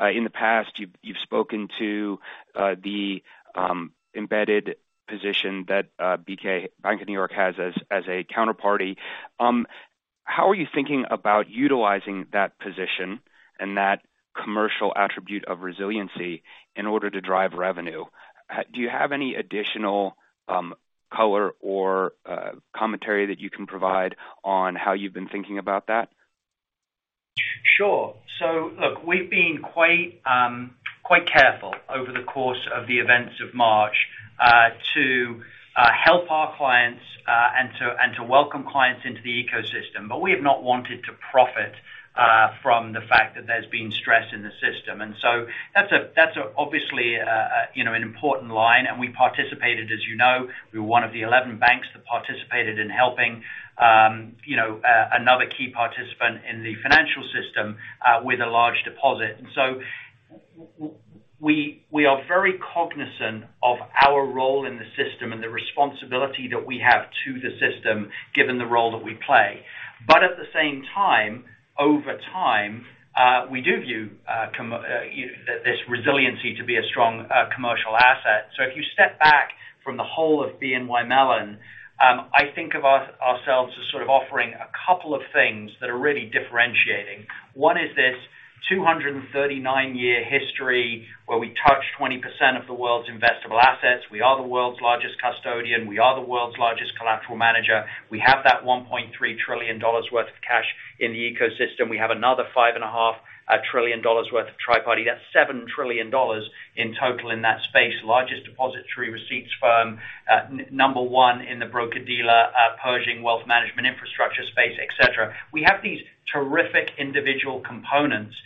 In the past, you've spoken to the embedded position that BK, Bank of New York has as a counterparty. How are you thinking about utilizing that position and that commercial attribute of resiliency in order to drive revenue? Do you have any additional color or commentary that you can provide on how you've been thinking about that? Sure. Look, we've been quite careful over the course of the events of March, to help our clients, and to welcome clients into the ecosystem. We have not wanted to profit, from the fact that there's been stress in the system. That's obviously, you know, an important line, and we participated, as you know. We were one of the 11 banks that participated in helping, you know, another key participant in the financial system, with a large deposit. We are very cognizant of our role in the system and the responsibility that we have to the system, given the role that we play. At the same time, over time, we do view this resiliency to be a strong, commercial asset. If you step back from the whole of BNY Mellon, I think of ourselves as sort of offering a couple of things that are really differentiating. One is this 239-year history where we touch 20% of the world's investable assets. We are the world's largest custodian. We are the world's largest collateral manager. We have that $1.3 trillion worth of cash in the ecosystem. We have another $5.5 trillion worth of tri-party. That's $7 trillion in total in that space. Largest depositary receipts firm. Number one in the broker-dealer, Pershing wealth management infrastructure space, et cetera. We have these terrific individual components.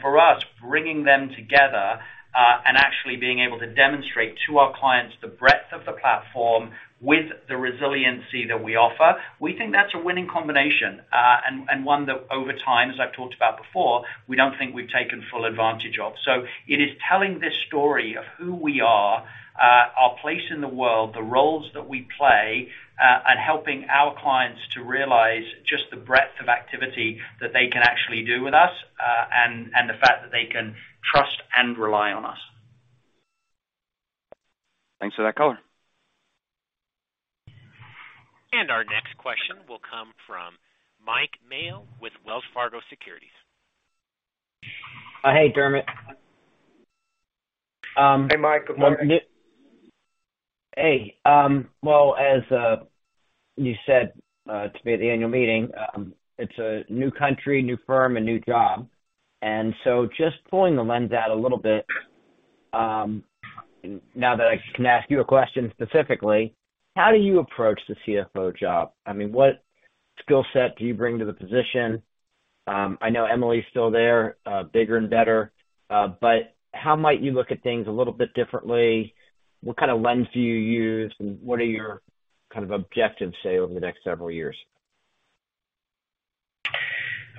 For us, bringing them together, and actually being able to demonstrate to our clients the breadth of the platform with the resiliency that we offer, we think that's a winning combination, and one that over time, as I've talked about before, we don't think we've taken full advantage of. It is telling this story of who we are, our place in the world, the roles that we play, and helping our clients to realize just the breadth of activity that they can actually do with us, and the fact that they can trust and rely on us. Thanks for that color. Our next question will come from Mike Mayo with Wells Fargo Securities. Hey, Dermot. Hey, Mike. Well, Hey, well, as you said to me at the annual meeting, it's a new country, new firm, a new job. Just pulling the lens out a little bit-now that I can ask you a question specifically, how do you approach the CFO job? I mean, what skill set do you bring to the position? I know Emily's still there, bigger and better, but how might you look at things a little bit differently? What kind of lens do you use, and what are your kind of objectives, say, over the next several years?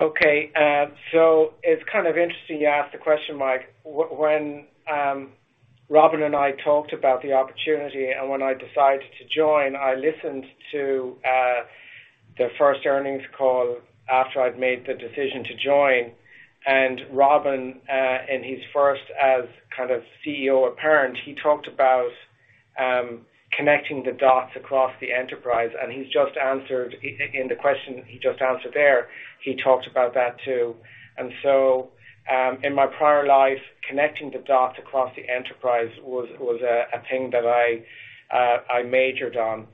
Okay. It's kind of interesting you asked the question, Mike. When Robin and I talked about the opportunity and when I decided to join, I listened to the first earnings call after I'd made the decision to join. Robin, in his first as kind of CEO apparent, he talked about connecting the dots across the enterprise, and he's just answered. In the question he just answered there, he talked about that too. In my prior life, connecting the dots across the enterprise was a thing that I majored on.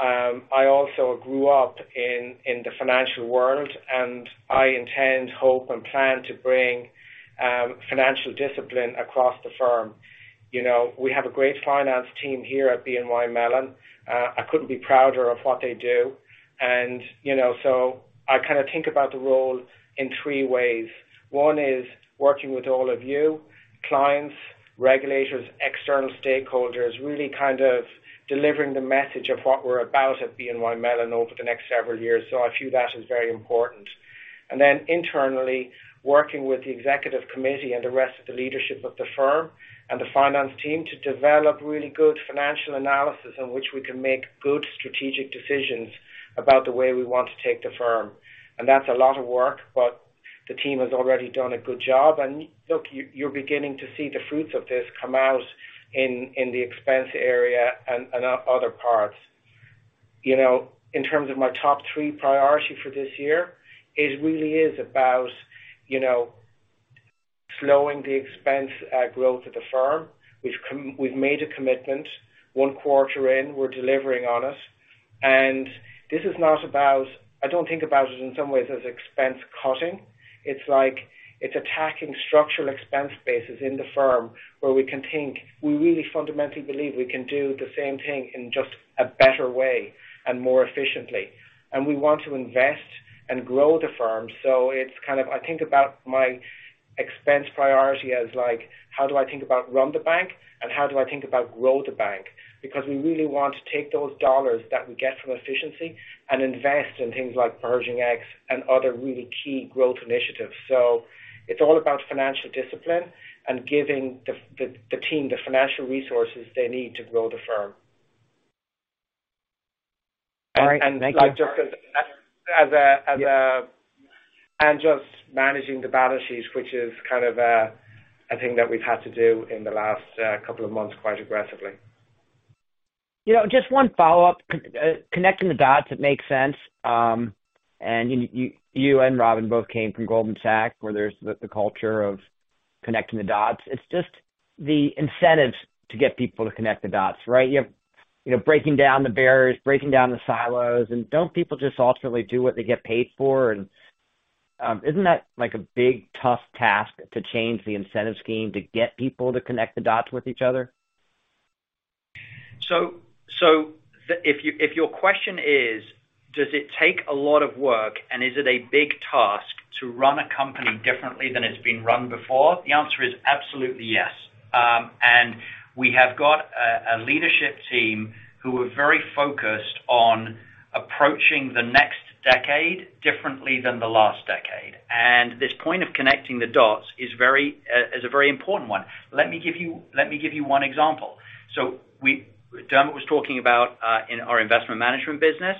I also grew up in the financial world, and I intend, hope, and plan to bring financial discipline across the firm. You know, we have a great finance team here at BNY Mellon. I couldn't be prouder of what they do. You know, so I kinda think about the role in three ways. One is working with all of you, clients, regulators, external stakeholders, really kind of delivering the message of what we're about at BNY Mellon over the next several years. I feel that is very important. Then internally, working with the executive committee and the rest of the leadership of the firm and the finance team to develop really good financial analysis in which we can make good strategic decisions about the way we want to take the firm. That's a lot of work, but the team has already done a good job. Look, you're beginning to see the fruits of this come out in the expense area and other parts. You know, in terms of my top three priority for this year, it really is about, you know, slowing the expense growth of the firm. We've made a commitment. One quarter in, we're delivering on it. This is not about... I don't think about it in some ways as expense cutting. It's like it's attacking structural expense bases in the firm where we can think. We really fundamentally believe we can do the same thing in just a better way and more efficiently. We want to invest and grow the firm. It's kind of, I think about my expense priority as like, how do I think about run the bank and how do I think about grow the bank? We really want to take those dollars that we get from efficiency and invest in things like Pershing X and other really key growth initiatives. It's all about financial discipline and giving the team the financial resources they need to grow the firm. All right. Thank you. Just managing the balance sheet, which is kind of a thing that we've had to do in the last couple of months quite aggressively. You know, just one follow-up. Connecting the dots, it makes sense. You and Robin both came from Goldman Sachs, where there's the culture of connecting the dots. It's just the incentive to get people to connect the dots, right? You have, you know, breaking down the barriers, breaking down the silos, don't people just ultimately do what they get paid for? Isn't that like a big, tough task to change the incentive scheme to get people to connect the dots with each other? If you, if your question is, does it take a lot of work, and is it a big task to run a company differently than it's been run before? The answer is absolutely yes. We have got a leadership team who are very focused on approaching the next decade differently than the last decade. This point of connecting the dots is very important one. Let me give you one example. Dermot was talking about in our Investment Management business,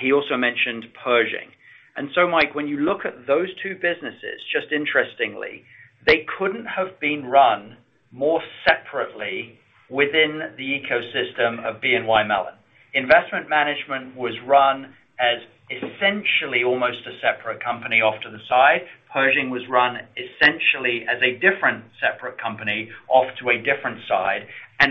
he also mentioned Pershing. Mike, when you look at those two businesses, just interestingly, they couldn't have been run more separately within the ecosystem of BNY Mellon. Investment Management was run as essentially almost a separate company off to the side. Pershing was run essentially as a different separate company off to a different side.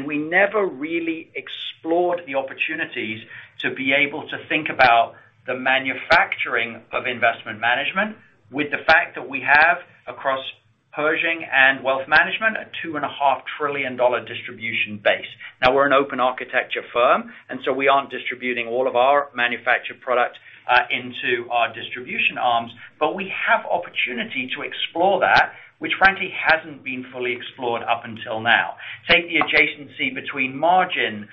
We never really explored the opportunities to be able to think about the manufacturing of investment management with the fact that we have, across Pershing and wealth management, a $2.5 trillion distribution base. Now, we're an open architecture firm, and so we aren't distributing all of our manufactured product into our distribution arms, but we have opportunity to explore that, which frankly hasn't been fully explored up until now. Take the adjacency between margin,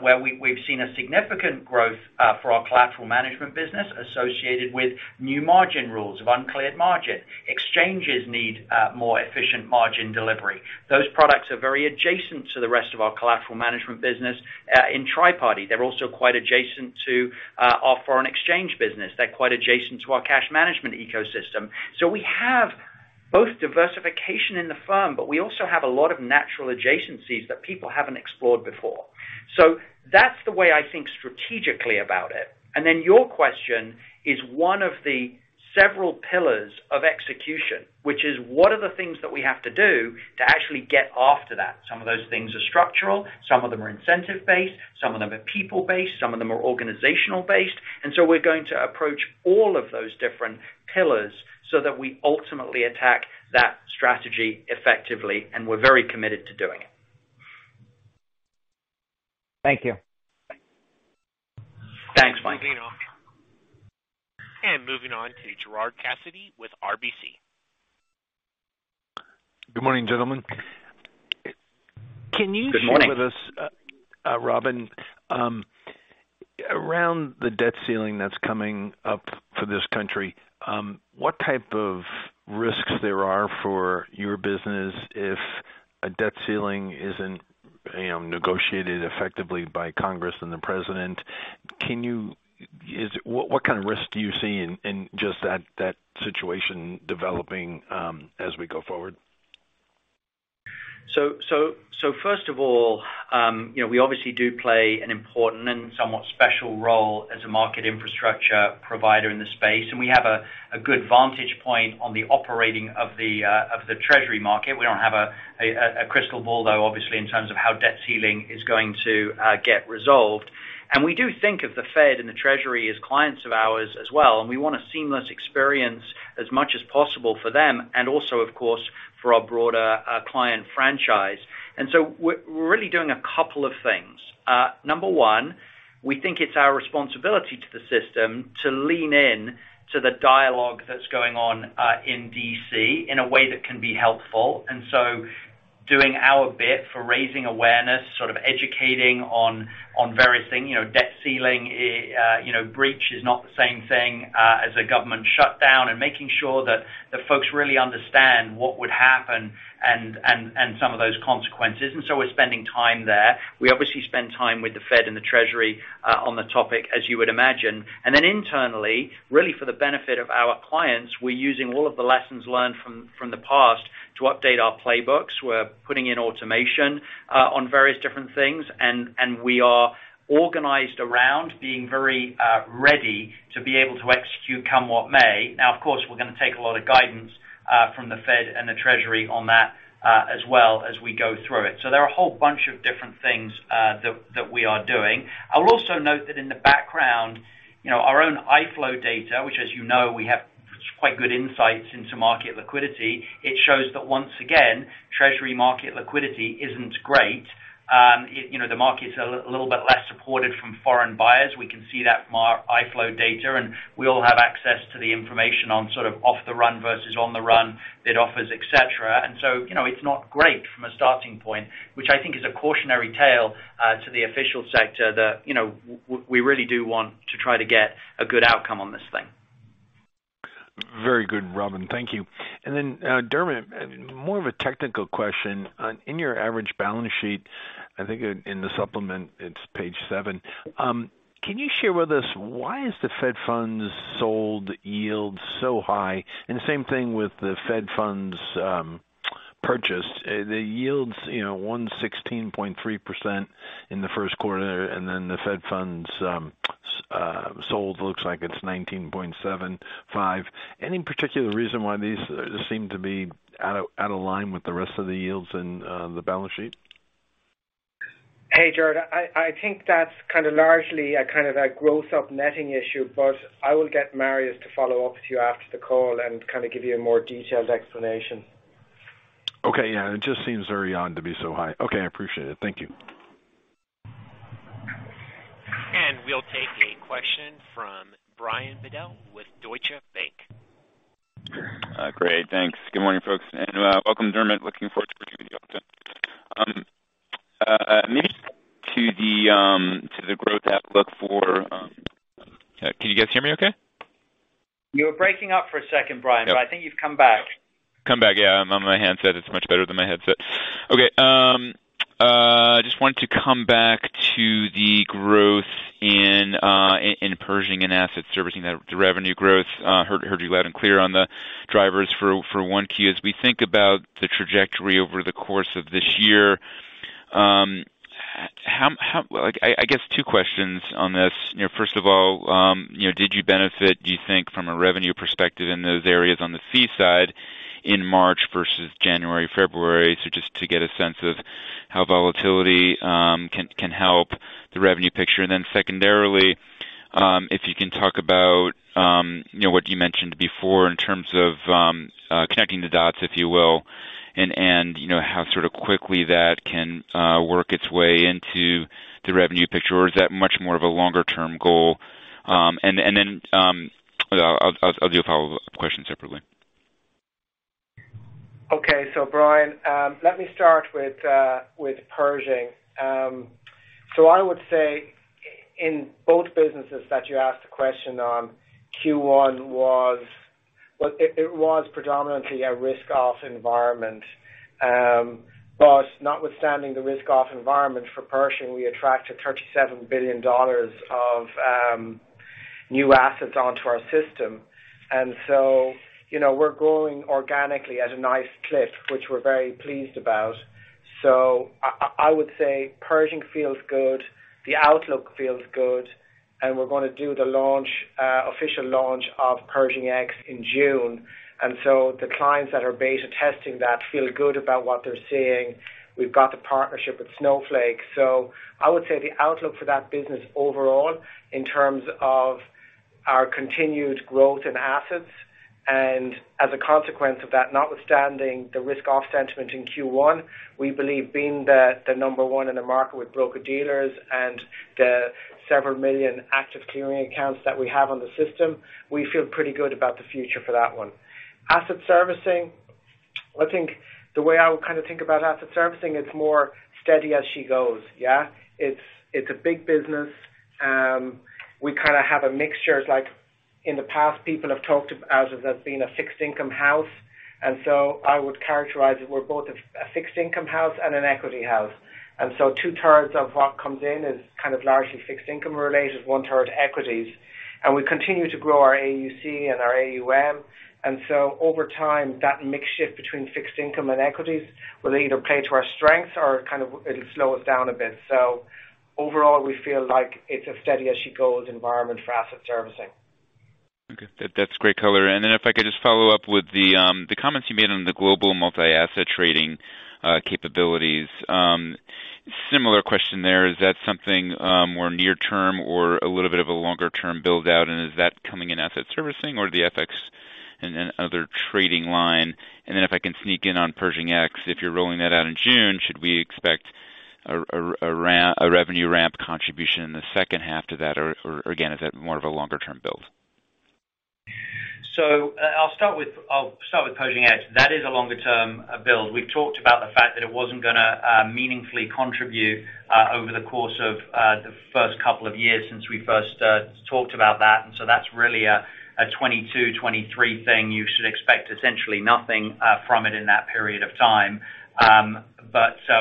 where we've seen a significant growth for our collateral management business associated with new margin rules of uncleared margin. Exchanges need more efficient margin delivery. Those products are very adjacent to the rest of our collateral management business in tri-party. They're also quite adjacent to our foreign exchange business. They're quite adjacent to our cash management ecosystem. We have both diversification in the firm, but we also have a lot of natural adjacencies that people haven't explored before. That's the way I think strategically about it. Your question is one of the several pillars of execution, which is: What are the things that we have to do to actually get after that? Some of those things are structural, some of them are incentive-based, some of them are people-based, some of them are organizational-based. We're going to approach all of those different pillars so that we ultimately attack that strategy effectively, and we're very committed to doing it. Thank you. Thanks, Mike. Moving on to Gerard Cassidy with RBC. Good morning, gentlemen. Good morning. Can you share with us, Robin, around the debt ceiling that's coming up for this country, what type of risks there are for your business if a debt ceiling isn't, you know, negotiated effectively by Congress and the President? What kind of risks do you see in just that situation developing, as we go forward? First of all, you know, we obviously do play an important and somewhat special role as a market infrastructure provider in the space, and we have a good vantage point on the operating of the Treasury market. We don't have a crystal ball, though, obviously, in terms of how debt ceiling is going to get resolved. We do think of the Fed and the Treasury as clients of ours as well, and we want a seamless experience as much as possible for them and also, of course, for our broader client franchise. We're really doing a couple of things. Number one, we think it's our responsibility to the system to lean in to the dialogue that's going on in D.C. in a way that can be helpful. Doing our bit for raising awareness, sort of educating on various things, you know, debt ceiling, you know, breach is not the same thing as a government shutdown, and making sure that the folks really understand what would happen and some of those consequences. We're spending time there. We obviously spend time with the Fed and the Treasury on the topic, as you would imagine. Internally, really for the benefit of our clients, we're using all of the lessons learned from the past to update our playbooks. We're putting in automation on various different things, and we are organized around being very ready to be able to execute come what may. Of course, we're gonna take a lot of guidance from the Fed and the Treasury on that as well as we go through it. There are a whole bunch of different things that we are doing. I will also note that in the background, you know, our own iFlow data, which as you know, we have quite good insights into market liquidity. It shows that once again, Treasury market liquidity isn't great. You know, the market's a little bit less supported from foreign buyers. We can see that from our iFlow data, and we all have access to the information on sort of off the run versus on the run bid offers, et cetera. You know, it's not great from a starting point, which I think is a cautionary tale to the official sector that, you know, we really do want to try to get a good outcome on this thing. Very good, Robin. Thank you. Dermot, more of a technical question. In your average balance sheet, I think in the supplement, it's page seven, can you share with us why is the Fed Funds sold yield so high? The same thing with the Fed Funds purchased. The yields, you know, 116.3% in the Q1, and then the Fed Funds sold looks like it's 19.75%. Any particular reason why these seem to be out of line with the rest of the yields in the balance sheet? Hey, Gerard. I think that's kinda largely a kind of a gross up netting issue. I will get Marius to follow up with you after the call and kinda give you a more detailed explanation. Okay. Yeah. It just seems very odd to be so high. Okay, I appreciate it. Thank you. We'll take a question from Brian Bedell with Deutsche Bank. Great. Thanks. Good morning, folks. Welcome, Dermot. Looking forward to working with you all too. Maybe to the growth outlook for... Can you guys hear me okay? You were breaking up for a second, Brian. I think you've come back. Come back. Yeah. I'm on my handset. It's much better than my headset. Okay. Just wanted to come back to the growth in Pershing and asset servicing, the revenue growth. Heard you loud and clear on the drivers for one key. As we think about the trajectory over the course of this year, like, I guess two questions on this. You know, first of all, you know, did you benefit, do you think, from a revenue perspective in those areas on the C side in March versus January, February? Just to get a sense of how volatility can help the revenue picture. Secondarily, if you can talk about, you know, what you mentioned before in terms of connecting the dots, if you will, you know, how sort of quickly that can work its way into the revenue picture, or is that much more of a longer-term goal? I'll do a follow-up question separately. Okay. Brian, let me start with Pershing. I would say in both businesses that you asked a question on, Q1 was... Well, it was predominantly a risk off environment. Notwithstanding the risk off environment for Pershing, we attracted $37 billion of new assets onto our system. You know, we're growing organically at a nice clip, which we're very pleased about. I would say Pershing feels good, the outlook feels good, and we're gonna do the launch, official launch of Pershing X in June. The clients that are beta testing that feel good about what they're seeing. We've got the partnership with Snowflake. I would say the outlook for that business overall in terms of our continued growth in assets. As a consequence of that, notwithstanding the risk-off sentiment in Q1, we believe being the number one in the market with broker-dealers and the several million active clearing accounts that we have on the system, we feel pretty good about the future for that one. Asset servicing, I think the way I would kind of think about asset servicing, it's more steady as she goes, yeah. It's a big business. We kind of have a mixture. It's like in the past, people have talked as if it being a fixed income house. I would characterize it, we're both a fixed income house and an equity house. Two-thirds of what comes in is kind of largely fixed income-related, one-third equities. We continue to grow our AUC and our AUM. Over time, that mix shift between fixed income and equities will either play to our strengths or kind of it'll slow us down a bit. Overall, we feel like it's a steady as she goes environment for asset servicing. Okay. That's great color. If I could just follow up with the comments you made on the global multi-asset trading capabilities. Similar question there. Is that something more near term or a little bit of a longer term build-out? Is that coming in asset servicing or the FX and then other trading line? If I can sneak in on Pershing X, if you're rolling that out in June, should we expect a revenue ramp contribution in the second half to that or, again, is that more of a longer term build? I'll start with Pershing X. That is a longer term build. We've talked about the fact that it wasn't gonna meaningfully contribute over the course of the first couple of years since we first talked about that. That's really a 2022, 2023 thing. You should expect essentially nothing from it in that period of time.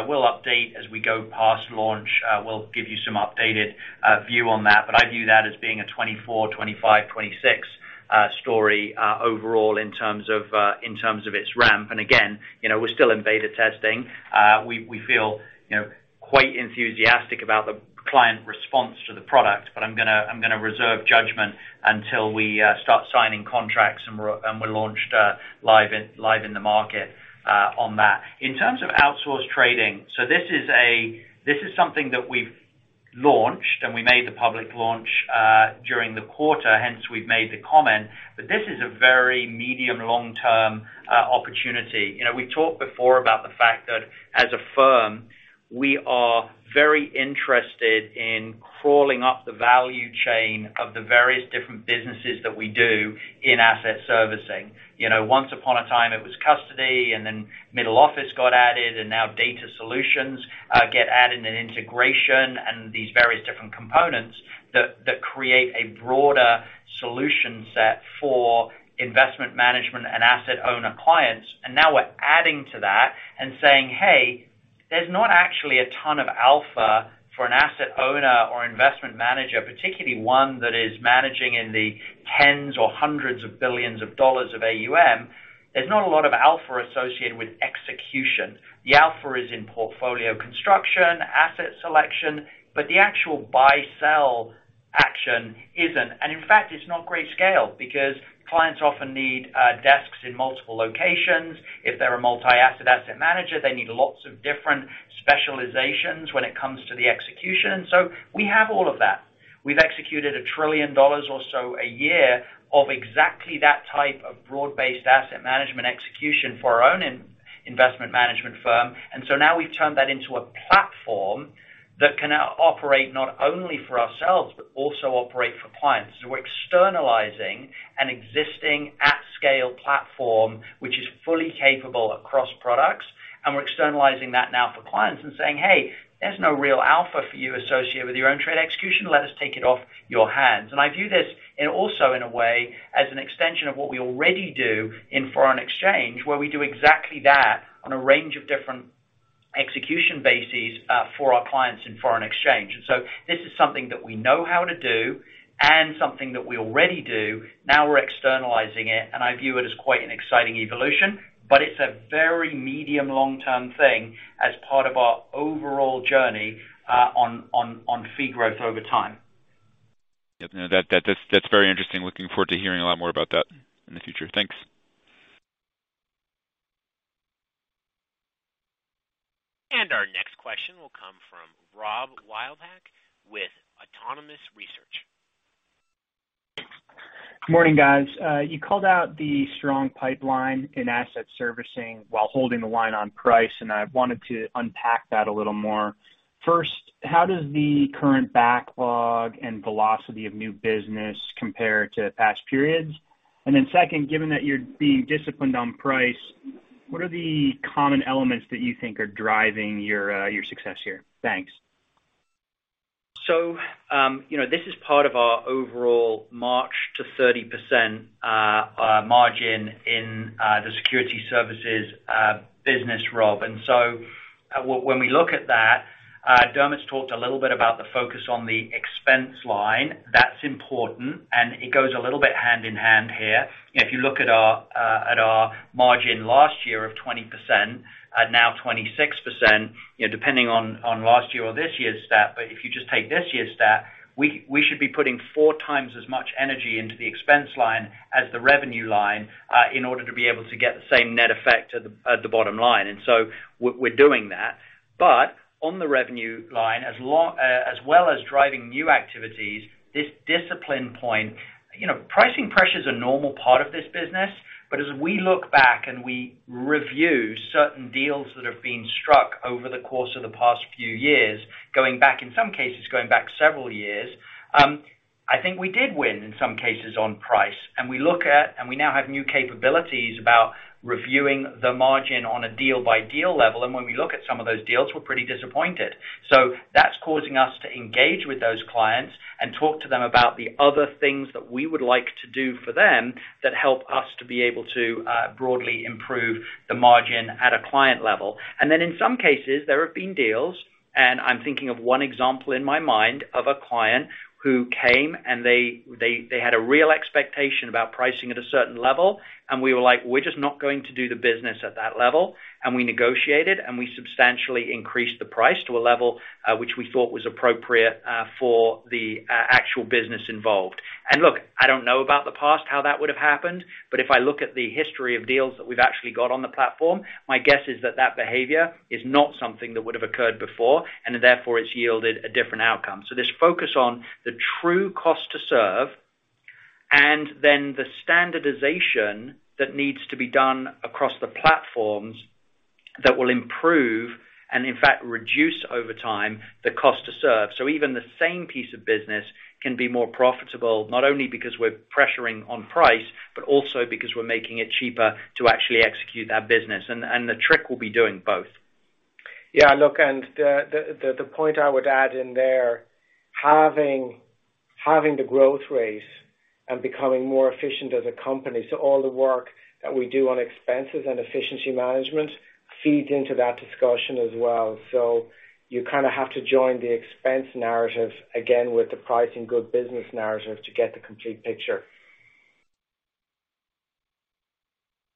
We'll update as we go past launch. We'll give you some updated view on that, but I view that as being a 2024, 2025, 2026 story overall in terms of in terms of its ramp. Again, you know, we're still in beta testing. We feel, you know, quite enthusiastic about the client response to the product, but I'm gonna reserve judgment until we start signing contracts and we're launched live in the market on that. In terms of outsourced trading, this is something that we've launched, and we made the public launch during the quarter, hence we've made the comment. This is a very medium, long term opportunity. You know, we've talked before about the fact that as a firm, we are very interested in crawling up the value chain of the various different businesses that we do in asset servicing. You know, once upon a time, it was custody, and then middle office got added, and now data solutions get added, and integration and these various different components that create a broader solution set for investment management and asset owner clients. Now we're adding to that and saying, "Hey, there's not actually a ton of alpha for an asset owner or investment manager, particularly one that is managing in the tens or hundreds of billions of dollars of AUM. There's not a lot of alpha associated with execution. The alpha is in portfolio construction, asset selection, but the actual buy-sell action isn't." In fact, it's not great scale because clients often need desks in multiple locations. If they're a multi-asset asset manager, they need lots of different specializations when it comes to the execution. We have all of that. We've executed $1 trillion or so a year of exactly that type of broad-based asset management execution for our own investment management firm. Now we've turned that into a platform that can operate not only for ourselves, but also operate for clients. We're externalizing an existing at scale platform, which is fully capable across products. We're externalizing that now for clients and saying, "Hey, there's no real alpha for you associated with your own trade execution. Let us take it off your hands." I view this in a way, as an extension of what we already do in foreign exchange, where we do exactly that on a range of different execution bases for our clients in foreign exchange. This is something that we know how to do and something that we already do. We're externalizing it, and I view it as quite an exciting evolution, but it's a very medium, long-term thing as part of our overall journey on fee growth over time. Yep. No, that's very interesting. Looking forward to hearing a lot more about that in the future. Thanks. Our next question will come from Rob Wildhack with Autonomous Research. Morning, guys. You called out the strong pipeline in asset servicing while holding the line on price. I wanted to unpack that a little more. First, how does the current backlog and velocity of new business compare to past periods? Second, given that you're being disciplined on price, what are the common elements that you think are driving your success here? Thanks. You know, this is part of our overall March to 30% margin in the security services business, Rob. When we look at that, Dermot's talked a little bit about the focus on the expense line. That's important, and it goes a little bit hand in hand here. If you look at our margin last year of 20% and now 26%, you know, depending on last year or this year's stat. If you just take this year's stat, we should be putting 4x as much energy into the expense line as the revenue line in order to be able to get the same net effect at the bottom line. We're doing that. On the revenue line as well as driving new activities, this discipline point, you know, pricing pressure is a normal part of this business. As we look back and we review certain deals that have been struck over the course of the past few years, going back, in some cases, going back several years, I think we did win in some cases on price. We look at, we now have new capabilities about reviewing the margin on a deal-by-deal level. When we look at some of those deals, we're pretty disappointed. That's causing us to engage with those clients and talk to them about the other things that we would like to do for them that help us to be able to broadly improve the margin at a client level. In some cases, there have been deals, and I'm thinking of one example in my mind of a client who came, and they had a real expectation about pricing at a certain level. We were like, "We're just not going to do the business at that level." We negotiated, and we substantially increased the price to a level which we thought was appropriate for the actual business involved. Look, I don't know about the past, how that would've happened, but if I look at the history of deals that we've actually got on the platform, my guess is that that behavior is not something that would have occurred before, and therefore it's yielded a different outcome. This focus on the true cost to serve and then the standardization that needs to be done across the platforms that will improve, and in fact, reduce over time the cost to serve. Even the same piece of business can be more profitable, not only because we're pressuring on price, but also because we're making it cheaper to actually execute that business. The trick will be doing both. Yeah. Look, the point I would add in there, having the growth rates and becoming more efficient as a company. All the work that we do on expenses and efficiency management feeds into that discussion as well. You kind of have to join the expense narrative, again with the pricing good business narrative to get the complete picture.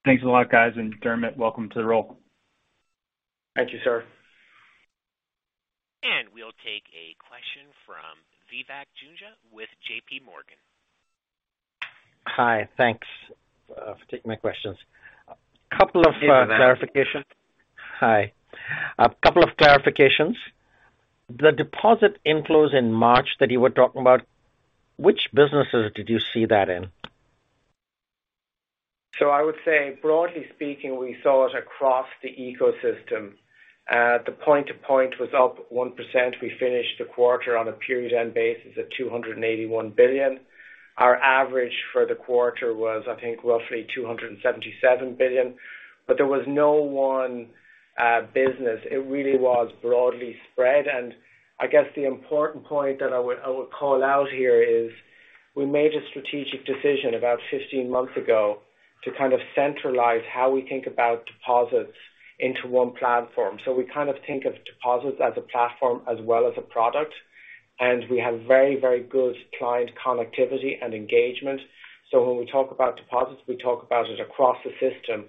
Thanks a lot, guys. Dermot, welcome to the role. Thank you, sir. We'll take a question from Vivek Juneja with JPMorgan. Hi, thanks for taking my questions. Hey, Vivek. Hi. A couple of clarifications. The deposit inflows in March that you were talking about, which businesses did you see that in? I would say, broadly speaking, we saw it across the ecosystem. The point to point was up 1%. We finished the quarter on a period end basis at $281 billion. Our average for the quarter was, I think, roughly $277 billion. There was no one business. It really was broadly spread. I guess the important point that I would, I would call out here is we made a strategic decision about 15 months ago to kind of centralize how we think about deposits into one platform. We kind of think of deposits as a platform as well as a product. We have very, very good client connectivity and engagement. When we talk about deposits, we talk about it across the system,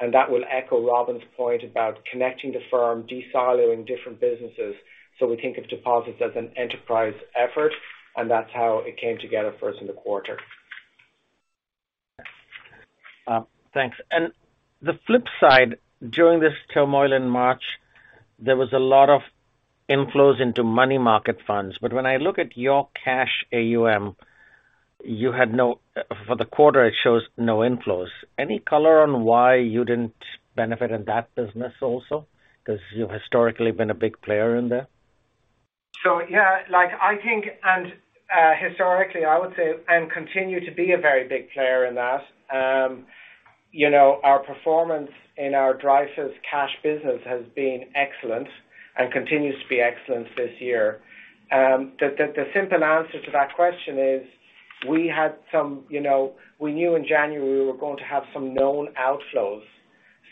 and that will echo Robin's point about connecting the firm, de-siloing different businesses. We think of deposits as an enterprise effort, and that's how it came together for us in the quarter. Thanks. The flip side, during this turmoil in March, there was a lot of inflows into money market funds. When I look at your cash AUM, for the quarter, it shows no inflows. Any color on why you didn't benefit in that business also? Because you've historically been a big player in there. Yeah, like I think, historically, I would say, and continue to be a very big player in that. You know, our performance in our Dreyfus cash business has been excellent and continues to be excellent this year. The simple answer to that question is, we had some. You know, we knew in January we were going to have some known outflows,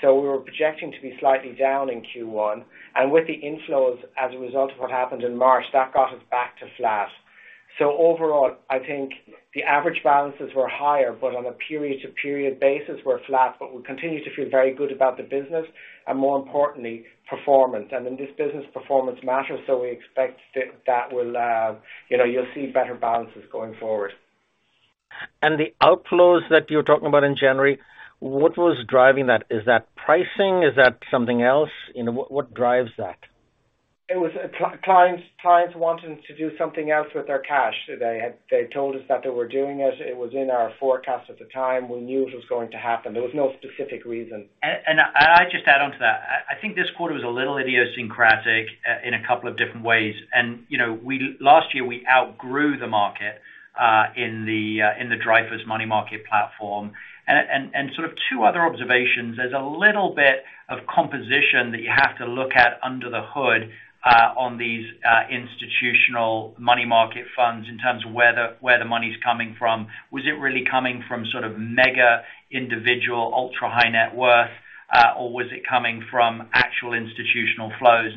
so we were projecting to be slightly down in Q1. With the inflows as a result of what happened in March, that got us back to flat. Overall, I think the average balances were higher, but on a period-to-period basis, we're flat. We continue to feel very good about the business and more importantly, performance. In this business, performance matters, so we expect that will. You know, you'll see better balances going forward. The outflows that you're talking about in January, what was driving that? Is that pricing? Is that something else? You know, what drives that? It was clients wanting to do something else with their cash. They told us that they were doing it. It was in our forecast at the time. We knew it was going to happen. There was no specific reason. I'll just add on to that. I think this quarter was a little idiosyncratic in a couple of different ways. You know, last year, we outgrew the market in the Dreyfus money market platform. Sort of two other observations. There's a little bit of composition that you have to look at under the hood on these institutional money market funds in terms of where the money's coming from. Was it really coming from sort of mega individual ultra-high net worth, or was it coming from actual institutional flows?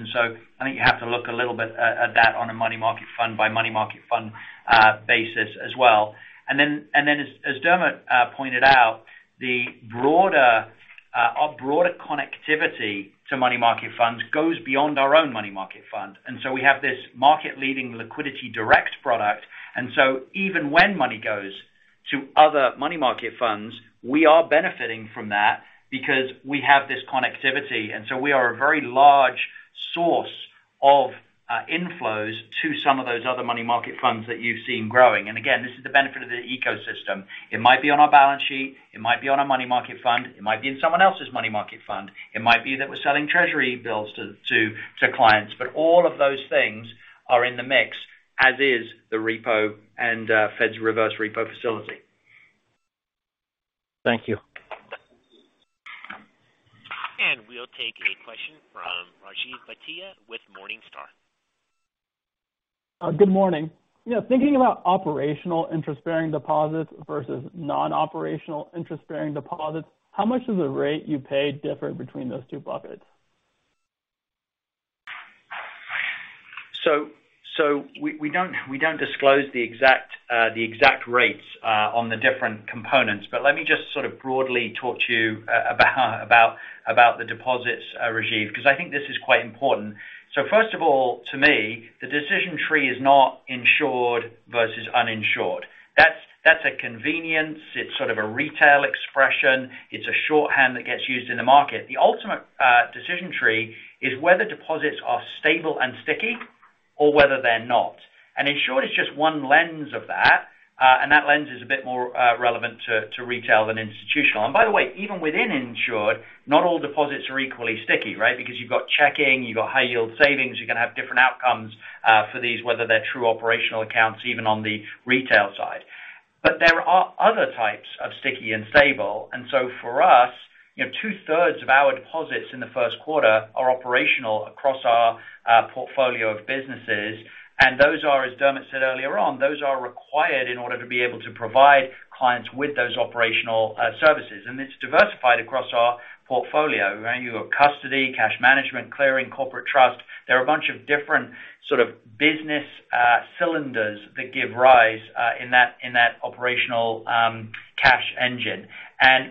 I think you have to look a little bit at that on a money market fund by money market fund basis as well. As Dermot pointed out, the broader, our broader connectivity to money market funds goes beyond our own money market fund. We have this market-leading LiquidityDirect product. Even when money goes to other money market funds. We are benefiting from that because we have this connectivity, and so we are a very large source of inflows to some of those other money market funds that you've seen growing. Again, this is the benefit of the ecosystem. It might be on our balance sheet, it might be on our money market fund, it might be in someone else's money market fund. It might be that we're selling Treasury bills to clients, but all of those things are in the mix, as is the repo and Fed's reverse repo facility. Thank you. We'll take a question from Rajiv Bhatia with Morningstar. Good morning. You know, thinking about operational interest-bearing deposits versus non-operational interest-bearing deposits, how much does the rate you pay differ between those two buckets? We don't disclose the exact rates on the different components. Let me just sort of broadly talk to you about the deposits, Rajiv, 'cause I think this is quite important. First of all, to me, the decision tree is not insured versus uninsured. That's a convenience. It's sort of a retail expression. It's a shorthand that gets used in the market. The ultimate decision tree is whether deposits are stable and sticky or whether they're not. Insured is just one lens of that, and that lens is a bit more relevant to retail than institutional. By the way, even within insured, not all deposits are equally sticky, right? Because you've got checking, you've got high yield savings. You're gonna have different outcomes for these, whether they're true operational accounts, even on the retail side. There are other types of sticky and stable. For us, you know, two-thirds of our deposits in the first quarter are operational across our portfolio of businesses. Those are, as Dermot McDonogh said earlier on, those are required in order to be able to provide clients with those operational services. It's diversified across our portfolio. Right? You've got custody, cash management, clearing, corporate trust. There are a bunch of different sort of business cylinders that give rise in that, in that operational cash engine.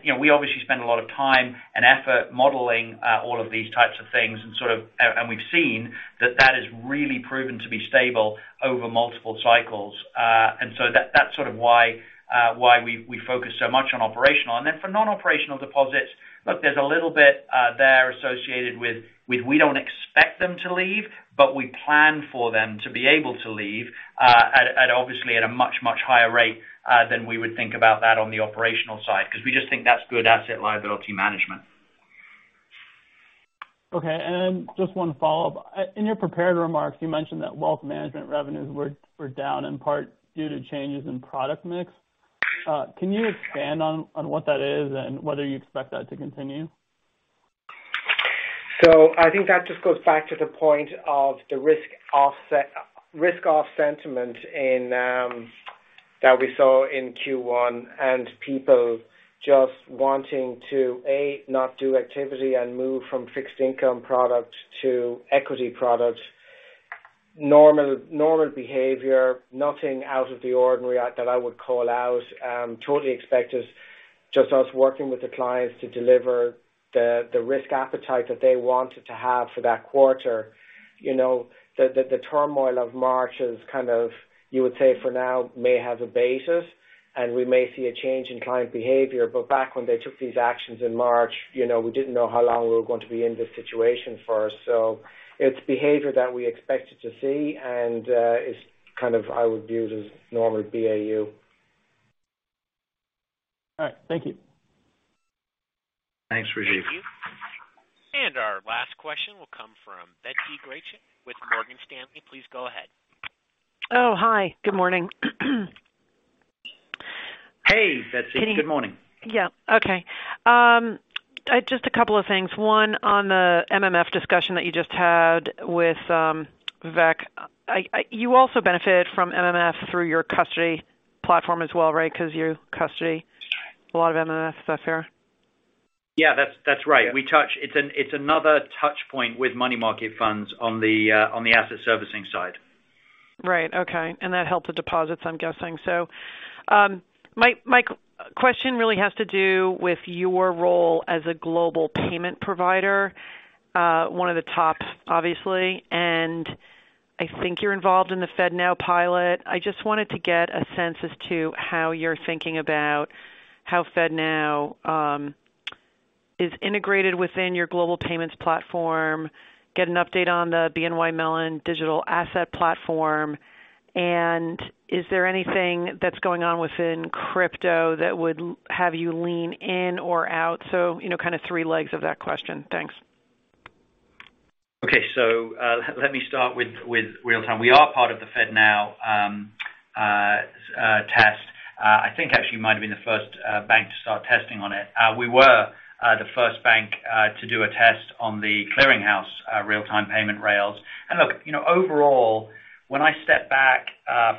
You know, we obviously spend a lot of time and effort modeling all of these types of things and sort of. And we've seen that that has really proven to be stable over multiple cycles. That's sort of why we focus so much on operational. For non-operational deposits, look, there's a little bit there associated with we don't expect them to leave, but we plan for them to be able to leave at obviously at a much, much higher rate than we would think about that on the operational side, 'cause we just think that's good asset liability management. Okay. Just one follow-up. In your prepared remarks, you mentioned that wealth management revenues were down in part due to changes in product mix. Can you expand on what that is and whether you expect that to continue? I think that just goes back to the point of the risk off sentiment in that we saw in Q1, and people just wanting to, A, not do activity and move from fixed income product to equity product. Normal behavior, nothing out of the ordinary that I would call out. Totally expected, just us working with the clients to deliver the risk appetite that they wanted to have for that quarter. You know, the turmoil of March is kind of, you would say for now, may have abated, and we may see a change in client behavior. Back when they took these actions in March, you know, we didn't know how long we were going to be in this situation for. It's behavior that we expected to see, and it's kind of I would view it as normal BAU. All right. Thank you. Thanks, Rajiv. Thank you. Our last question will come from Betsy Graseck with Morgan Stanley. Please go ahead. Oh, hi. Good morning. Hey, Betsy. Good morning. Okay. Just a couple of things. One, on the MMF discussion that you just had with, Vivek. You also benefited from MMF through your custody platform as well, right? 'Cause you custody a lot of MMF stuff here. Yeah. That's right. It's another touch point with money market funds on the asset servicing side. Right. Okay. That helped the deposits, I'm guessing. My question really has to do with your role as a global payment provider. One of the top, obviously, I think you're involved in the FedNow pilot. I just wanted to get a sense as to how you're thinking about how FedNow is integrated within your global payments platform, get an update on the BNY Mellon digital asset platform, is there anything that's going on within crypto that would have you lean in or out? You know, kind of three legs of that question. Thanks. Okay. Let me start with real time. We are part of the FedNow test. I think actually might have been the first bank to start testing on it. We were the first bank to do a test on The Clearing House real-time payment rails. Look, you know, overall, when I step back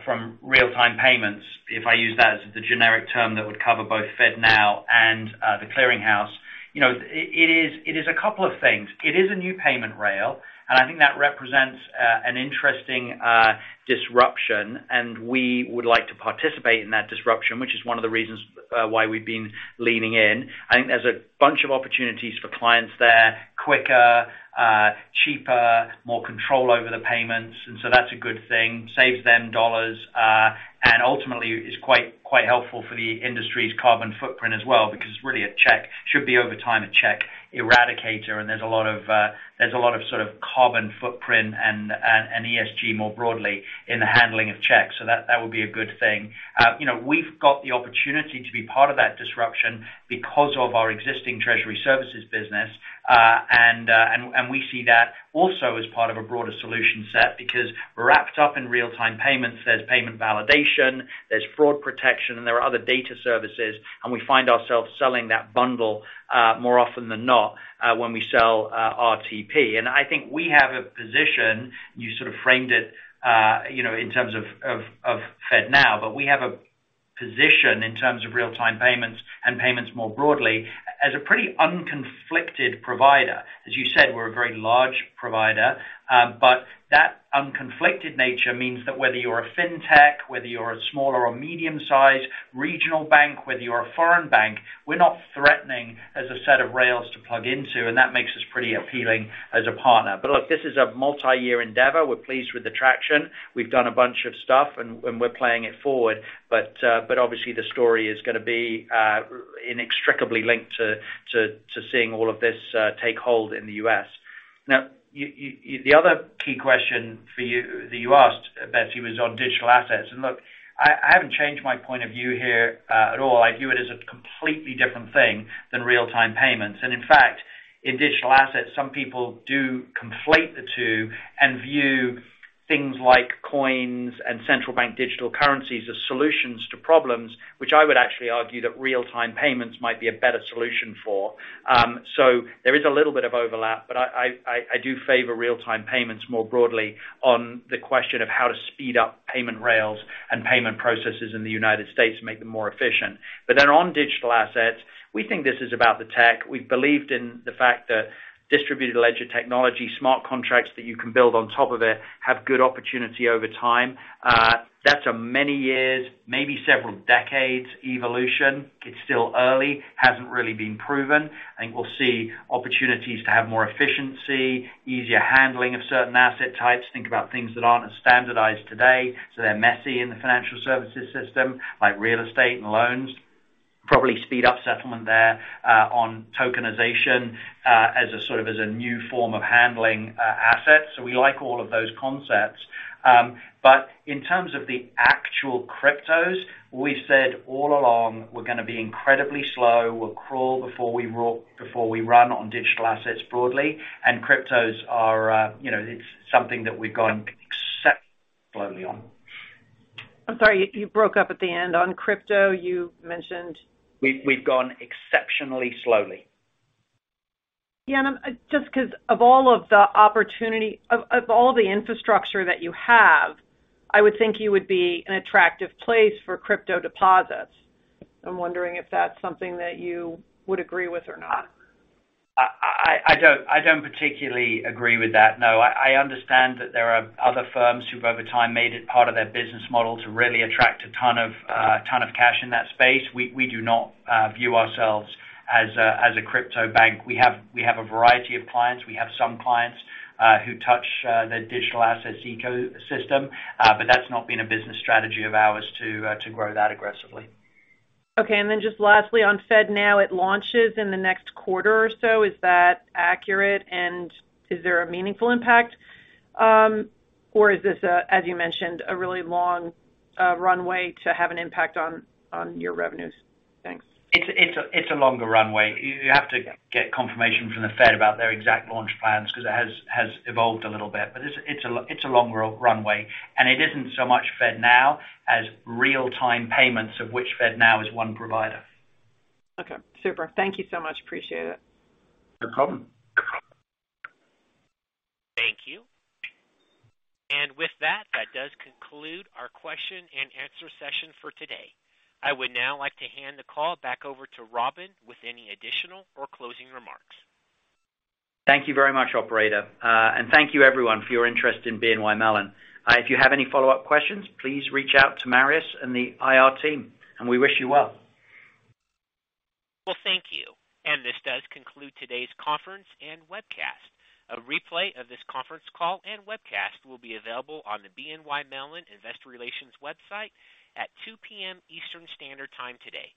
from real-time payments, if I use that as the generic term that would cover both FedNow and The Clearing House, you know, it is a couple of things. It is a new payment rail, I think that represents an interesting disruption, and we would like to participate in that disruption, which is one of the reasons why we've been leaning in. I think there's a bunch of opportunities for clients there. Quicker, cheaper, more control over the payments. That's a good thing. Saves them dollars and ultimately is quite helpful for the industry's carbon footprint as well because it's really a check. Should be over time a check eradicator. There's a lot of sort of carbon footprint and ESG more broadly in the handling of checks. That would be a good thing. You know, we've got the opportunity to be part of that disruption because of our existing Treasury services business. And we see that also as part of a broader solution set because wrapped up in real-time payments, there's payment validation, there's fraud protection. There are other data services, and we find ourselves selling that bundle more often than not when we sell RTP. I think we have a position, you sort of framed it, you know, in terms of FedNow, but we have a position in terms of real-time payments and payments more broadly as a pretty unconflicted provider. As you said, we're a very large provider, but that unconflicted nature means that whether you're a fintech, whether you're a small or a medium-sized regional bank, whether you're a foreign bank, we're not threatening as a set of rails to plug into, and that makes us pretty appealing as a partner. Look, this is a multi-year endeavor. We're pleased with the traction. We've done a bunch of stuff and we're playing it forward. Obviously the story is gonna be inextricably linked to seeing all of this take hold in the U.S. The other key question for you that you asked, Betsy, was on digital assets. Look, I haven't changed my point of view here at all. I view it as a completely different thing than real-time payments. In fact, in digital assets, some people do conflate the two and view things like coins and central bank digital currencies as solutions to problems which I would actually argue that real-time payments might be a better solution for. There is a little bit of overlap, but I do favor real-time payments more broadly on the question of how to speed up payment rails and payment processes in the United States to make them more efficient. On digital assets, we think this is about the tech. We've believed in the fact that distributed ledger technology, smart contracts that you can build on top of it have good opportunity over time. That's a many years, maybe several decades evolution. It's still early. Hasn't really been proven. I think we'll see opportunities to have more efficiency, easier handling of certain asset types. Think about things that aren't as standardized today, so they're messy in the financial services system, like real estate and loans. Probably speed up settlement there on tokenization as a sort of as a new form of handling assets. We like all of those concepts. In terms of the actual cryptos, we said all along we're gonna be incredibly slow. We'll crawl before we walk, before we run on digital assets broadly. Cryptos are, you know, it's something that we've gone except slowly on. I'm sorry, you broke up at the end. On crypto, you mentioned... We've gone exceptionally slowly. Yeah. Just 'cause of all the infrastructure that you have, I would think you would be an attractive place for crypto deposits. I'm wondering if that's something that you would agree with or not. I don't particularly agree with that, no. I understand that there are other firms who've over time made it part of their business model to really attract a ton of cash in that space. We do not view ourselves as a crypto bank. We have a variety of clients. We have some clients who touch the digital assets ecosystem, but that's not been a business strategy of ours to grow that aggressively. Just lastly on FedNow, it launches in the next quarter or so. Is that accurate, and is there a meaningful impact? Or is this as you mentioned, a really long runway to have an impact on your revenues? Thanks. It's a longer runway. You have to get confirmation from the Fed about their exact launch plans 'cause it has evolved a little bit. It's a long runway, and it isn't so much FedNow as real-time payments, of which FedNow is one provider. Okay, super. Thank you so much. Appreciate it. No problem. Thank you. With that does conclude our question and answer session for today. I would now like to hand the call back over to Robin with any additional or closing remarks. Thank you very much, operator. Thank you everyone for your interest in BNY Mellon. If you have any follow-up questions, please reach out to Marius and the IR team, and we wish you well. Well, thank you. This does conclude today's conference and webcast. A replay of this conference call and webcast will be available on the BNY Mellon Investor Relations website at 2:00 P.M. Eastern Standard Time today.